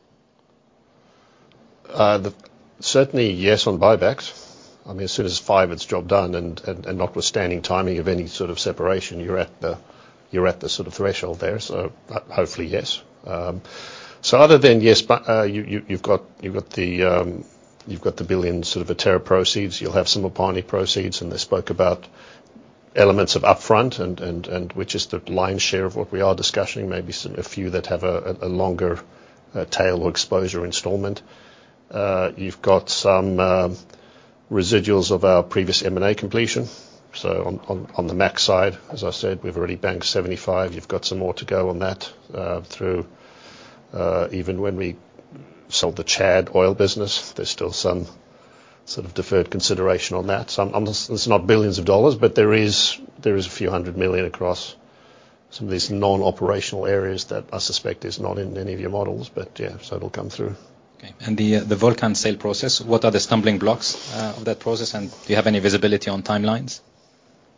Certainly, yes on buybacks. I mean, as soon as it's five, it's job done. Notwithstanding timing of any sort of separation, you're at the sort of threshold there. So hopefully, yes. So other than, yes, you've got the $1 billion sort of Viterra proceeds. You'll have some Mopani proceeds. And they spoke about elements of upfront, which is the lion's share of what we are discussing, maybe a few that have a longer tail or exposure installment. You've got some residuals of our previous M&A completion. So on the MAC side, as I said, we've already banked $75 million. You've got some more to go on that through even when we sold the Chad oil business, there's still some sort of deferred consideration on that. It's not billions of dollars, but there is a few hundred million across some of these non-operational areas that I suspect is not in any of your models. But yeah, so it'll come through. Okay. And the Volcan sale process, what are the stumbling blocks of that process? And do you have any visibility on timelines?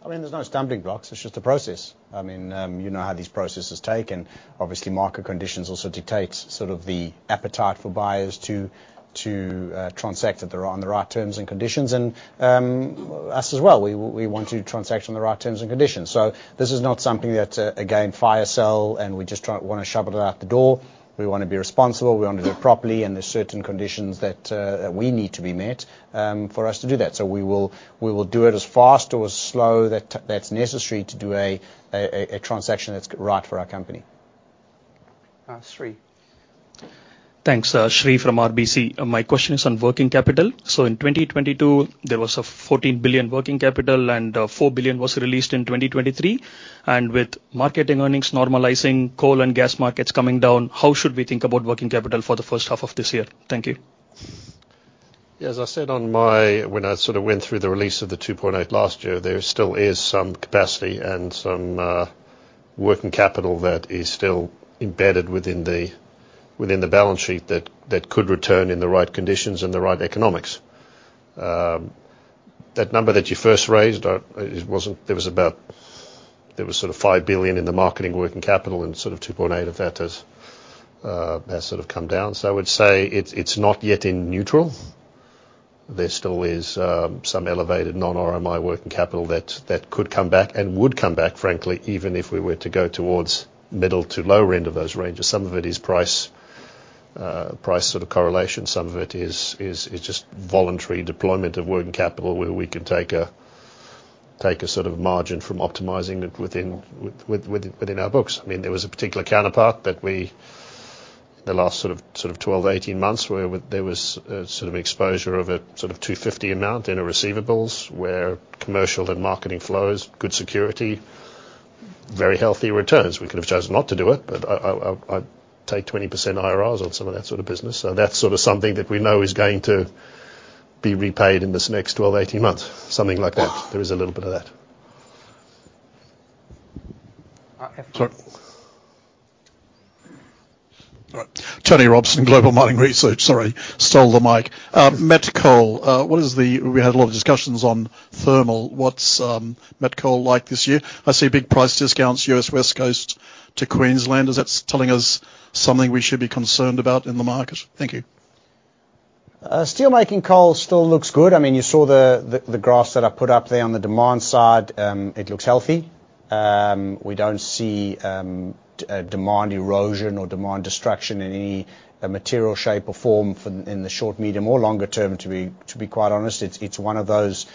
I mean, there's no stumbling blocks. It's just a process. I mean, you know how these processes take. Obviously, market conditions also dictate sort of the appetite for buyers to transact at the right on the right terms and conditions. Us as well, we want to transact on the right terms and conditions. So this is not something that, again, fire sale, and we just want to shovel it out the door. We want to be responsible. We want to do it properly. There's certain conditions that we need to be met for us to do that. So we will do it as fast or as slow that's necessary to do a transaction that's right for our company. Sri? Thanks. Sri from RBC. My question is on working capital. In 2022, there was $14 billion working capital, and $4 billion was released in 2023. With marketing earnings normalizing, coal and gas markets coming down, how should we think about working capital for the first half of this year? Thank you. Yeah. As I said when I sort of went through the release of the $2.8 billion last year, there still is some capacity and some working capital that is still embedded within the balance sheet that could return in the right conditions and the right economics. That number that you first raised, there was sort of $5 billion in the marketing working capital, and sort of $2.8 billion of that has sort of come down. So I would say it's not yet in neutral. There still is some elevated non-RMI working capital that could come back and would come back, frankly, even if we were to go towards middle to low end of those ranges. Some of it is price sort of correlation. Some of it is just voluntary deployment of working capital where we can take a sort of margin from optimizing it within our books. I mean, there was a particular counterpart that we in the last sort of 12-18 months, where there was sort of exposure of a sort of $250 amount in receivables where commercial and marketing flows, good security, very healthy returns. We could have chosen not to do it, but I'd take 20% IRRs on some of that sort of business. So that's sort of something that we know is going to be repaid in this next 12-18 months, something like that. There is a little bit of that. Sorry. All right. Tony Robson, Global Mining Research. Sorry, stole the mic. met coal, we had a lot of discussions on thermal. What's met coal like this year? I see big price discounts, U.S. West Coast to Queensland. Is that telling us something we should be concerned about in the market? Thank you. Steelmaking coal still looks good. I mean, you saw the graphs that I put up there on the demand side. It looks healthy. We don't see demand erosion or demand destruction in any material shape or form in the short, medium, or longer term, to be quite honest. It's one of those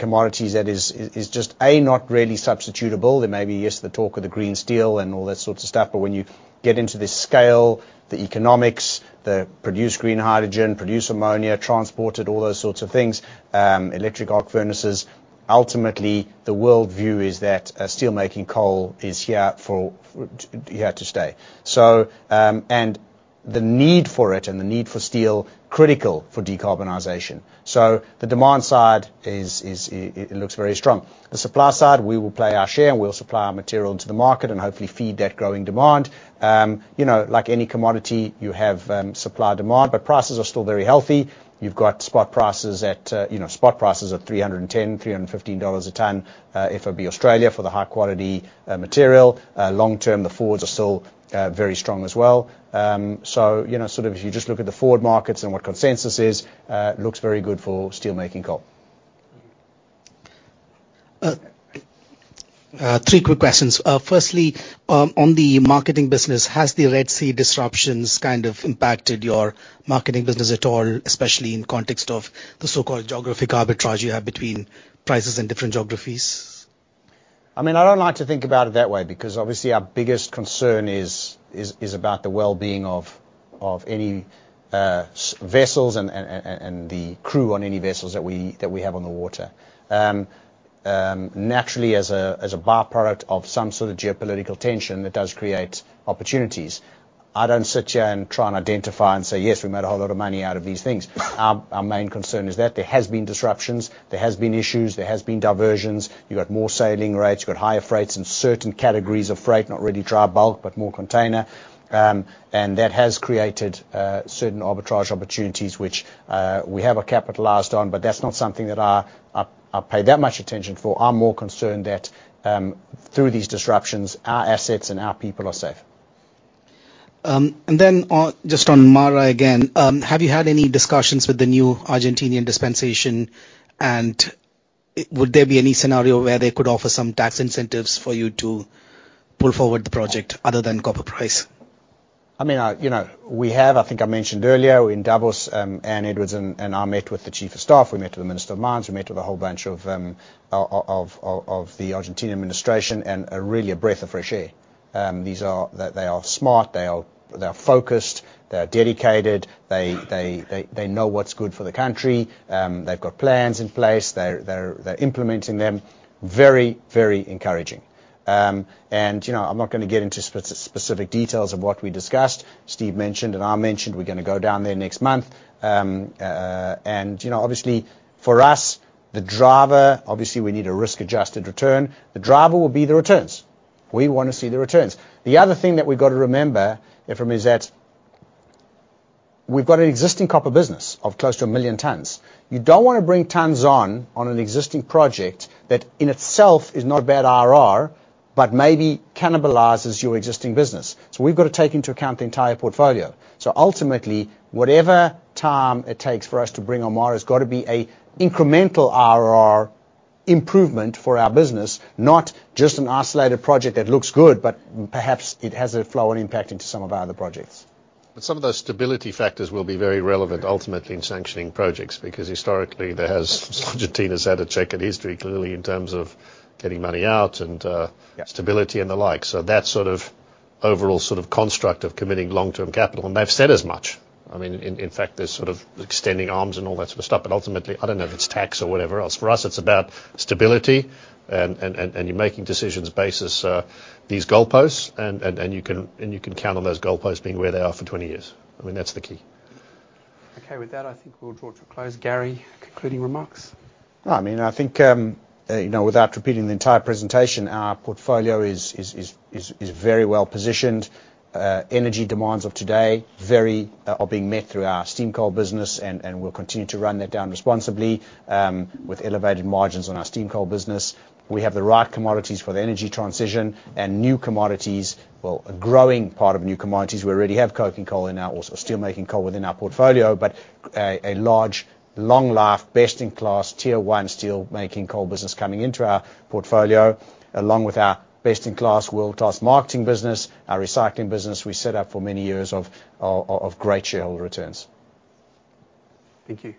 commodities that is just, A, not really substitutable. There may be, yes, the talk of the green steel and all that sort of stuff. But when you get into this scale, the economics, the produce green hydrogen, produce ammonia, transport it, all those sorts of things, electric arc furnaces, ultimately, the worldview is that steelmaking coal is here to stay. And the need for it and the need for steel is critical for decarbonization. So the demand side, it looks very strong. The supply side, we will play our share, and we'll supply our material into the market and hopefully feed that growing demand. Like any commodity, you have supply-demand, but prices are still very healthy. You've got spot prices at $310-$315 a ton FOB Australia for the high-quality material. Long term, the forwards are still very strong as well. So sort of if you just look at the forward markets and what consensus is, it looks very good for steelmaking coal. Three quick questions. Firstly, on the marketing business, has the Red Sea disruptions kind of impacted your marketing business at all, especially in context of the so-called geographic arbitrage you have between prices in different geographies? I mean, I don't like to think about it that way because obviously, our biggest concern is about the well-being of any vessels and the crew on any vessels that we have on the water. Naturally, as a byproduct of some sort of geopolitical tension, it does create opportunities. I don't sit here and try and identify and say, "Yes, we made a whole lot of money out of these things." Our main concern is that. There has been disruptions. There has been issues. There has been diversions. You've got more sailing rates. You've got higher freights and certain categories of freight, not really dry bulk, but more container. That has created certain arbitrage opportunities, which we have capitalized on, but that's not something that I pay that much attention for. I'm more concerned that through these disruptions, our assets and our people are safe. And then just on MARA again, have you had any discussions with the new Argentinian dispensation, and would there be any scenario where they could offer some tax incentives for you to pull forward the project other than copper price? I mean, we have. I think I mentioned earlier in Davos, Ann Edwards and I met with the chief of staff. We met with the minister of mines. We met with a whole bunch of the Argentine administration and really a breath of fresh air. They are smart. They are focused. They are dedicated. They know what's good for the country. They've got plans in place. They're implementing them. Very, very encouraging. And I'm not going to get into specific details of what we discussed. Steve mentioned and I mentioned we're going to go down there next month. And obviously, for us, the driver obviously, we need a risk-adjusted return. The driver will be the returns. We want to see the returns. The other thing that we've got to remember, Ephrem, is that we've got an existing copper business of close to 1 million tons. You don't want to bring tons on an existing project that in itself is not a bad IRR but maybe cannibalizes your existing business. So we've got to take into account the entire portfolio. So ultimately, whatever time it takes for us to bring on MARA has got to be an incremental IRR improvement for our business, not just an isolated project that looks good, but perhaps it has a flow and impact into some of our other projects. But some of those stability factors will be very relevant ultimately in sanctioning projects because historically, Argentina's had a checkered history clearly in terms of getting money out and stability and the like. So that sort of overall sort of construct of committing long-term capital. And they've said as much. I mean, in fact, they're sort of extending arms and all that sort of stuff. But ultimately, I don't know if it's tax or whatever else. For us, it's about stability, and you're making decisions based on these goalposts, and you can count on those goalposts being where they are for 20 years. I mean, that's the key. Okay. With that, I think we'll draw to a close. Gary, concluding remarks? I mean, I think without repeating the entire presentation, our portfolio is very well positioned. Energy demands of today are being met through our steam coal business, and we'll continue to run that down responsibly with elevated margins on our steam coal business. We have the right commodities for the energy transition and new commodities well, a growing part of new commodities. We already have coking coal in our or steelmaking coal within our portfolio, but a large, long-life, best-in-class, tier-one steelmaking coal business coming into our portfolio along with our best-in-class world-class marketing business, our recycling business we set up for many years of great shareholder returns. Thank you.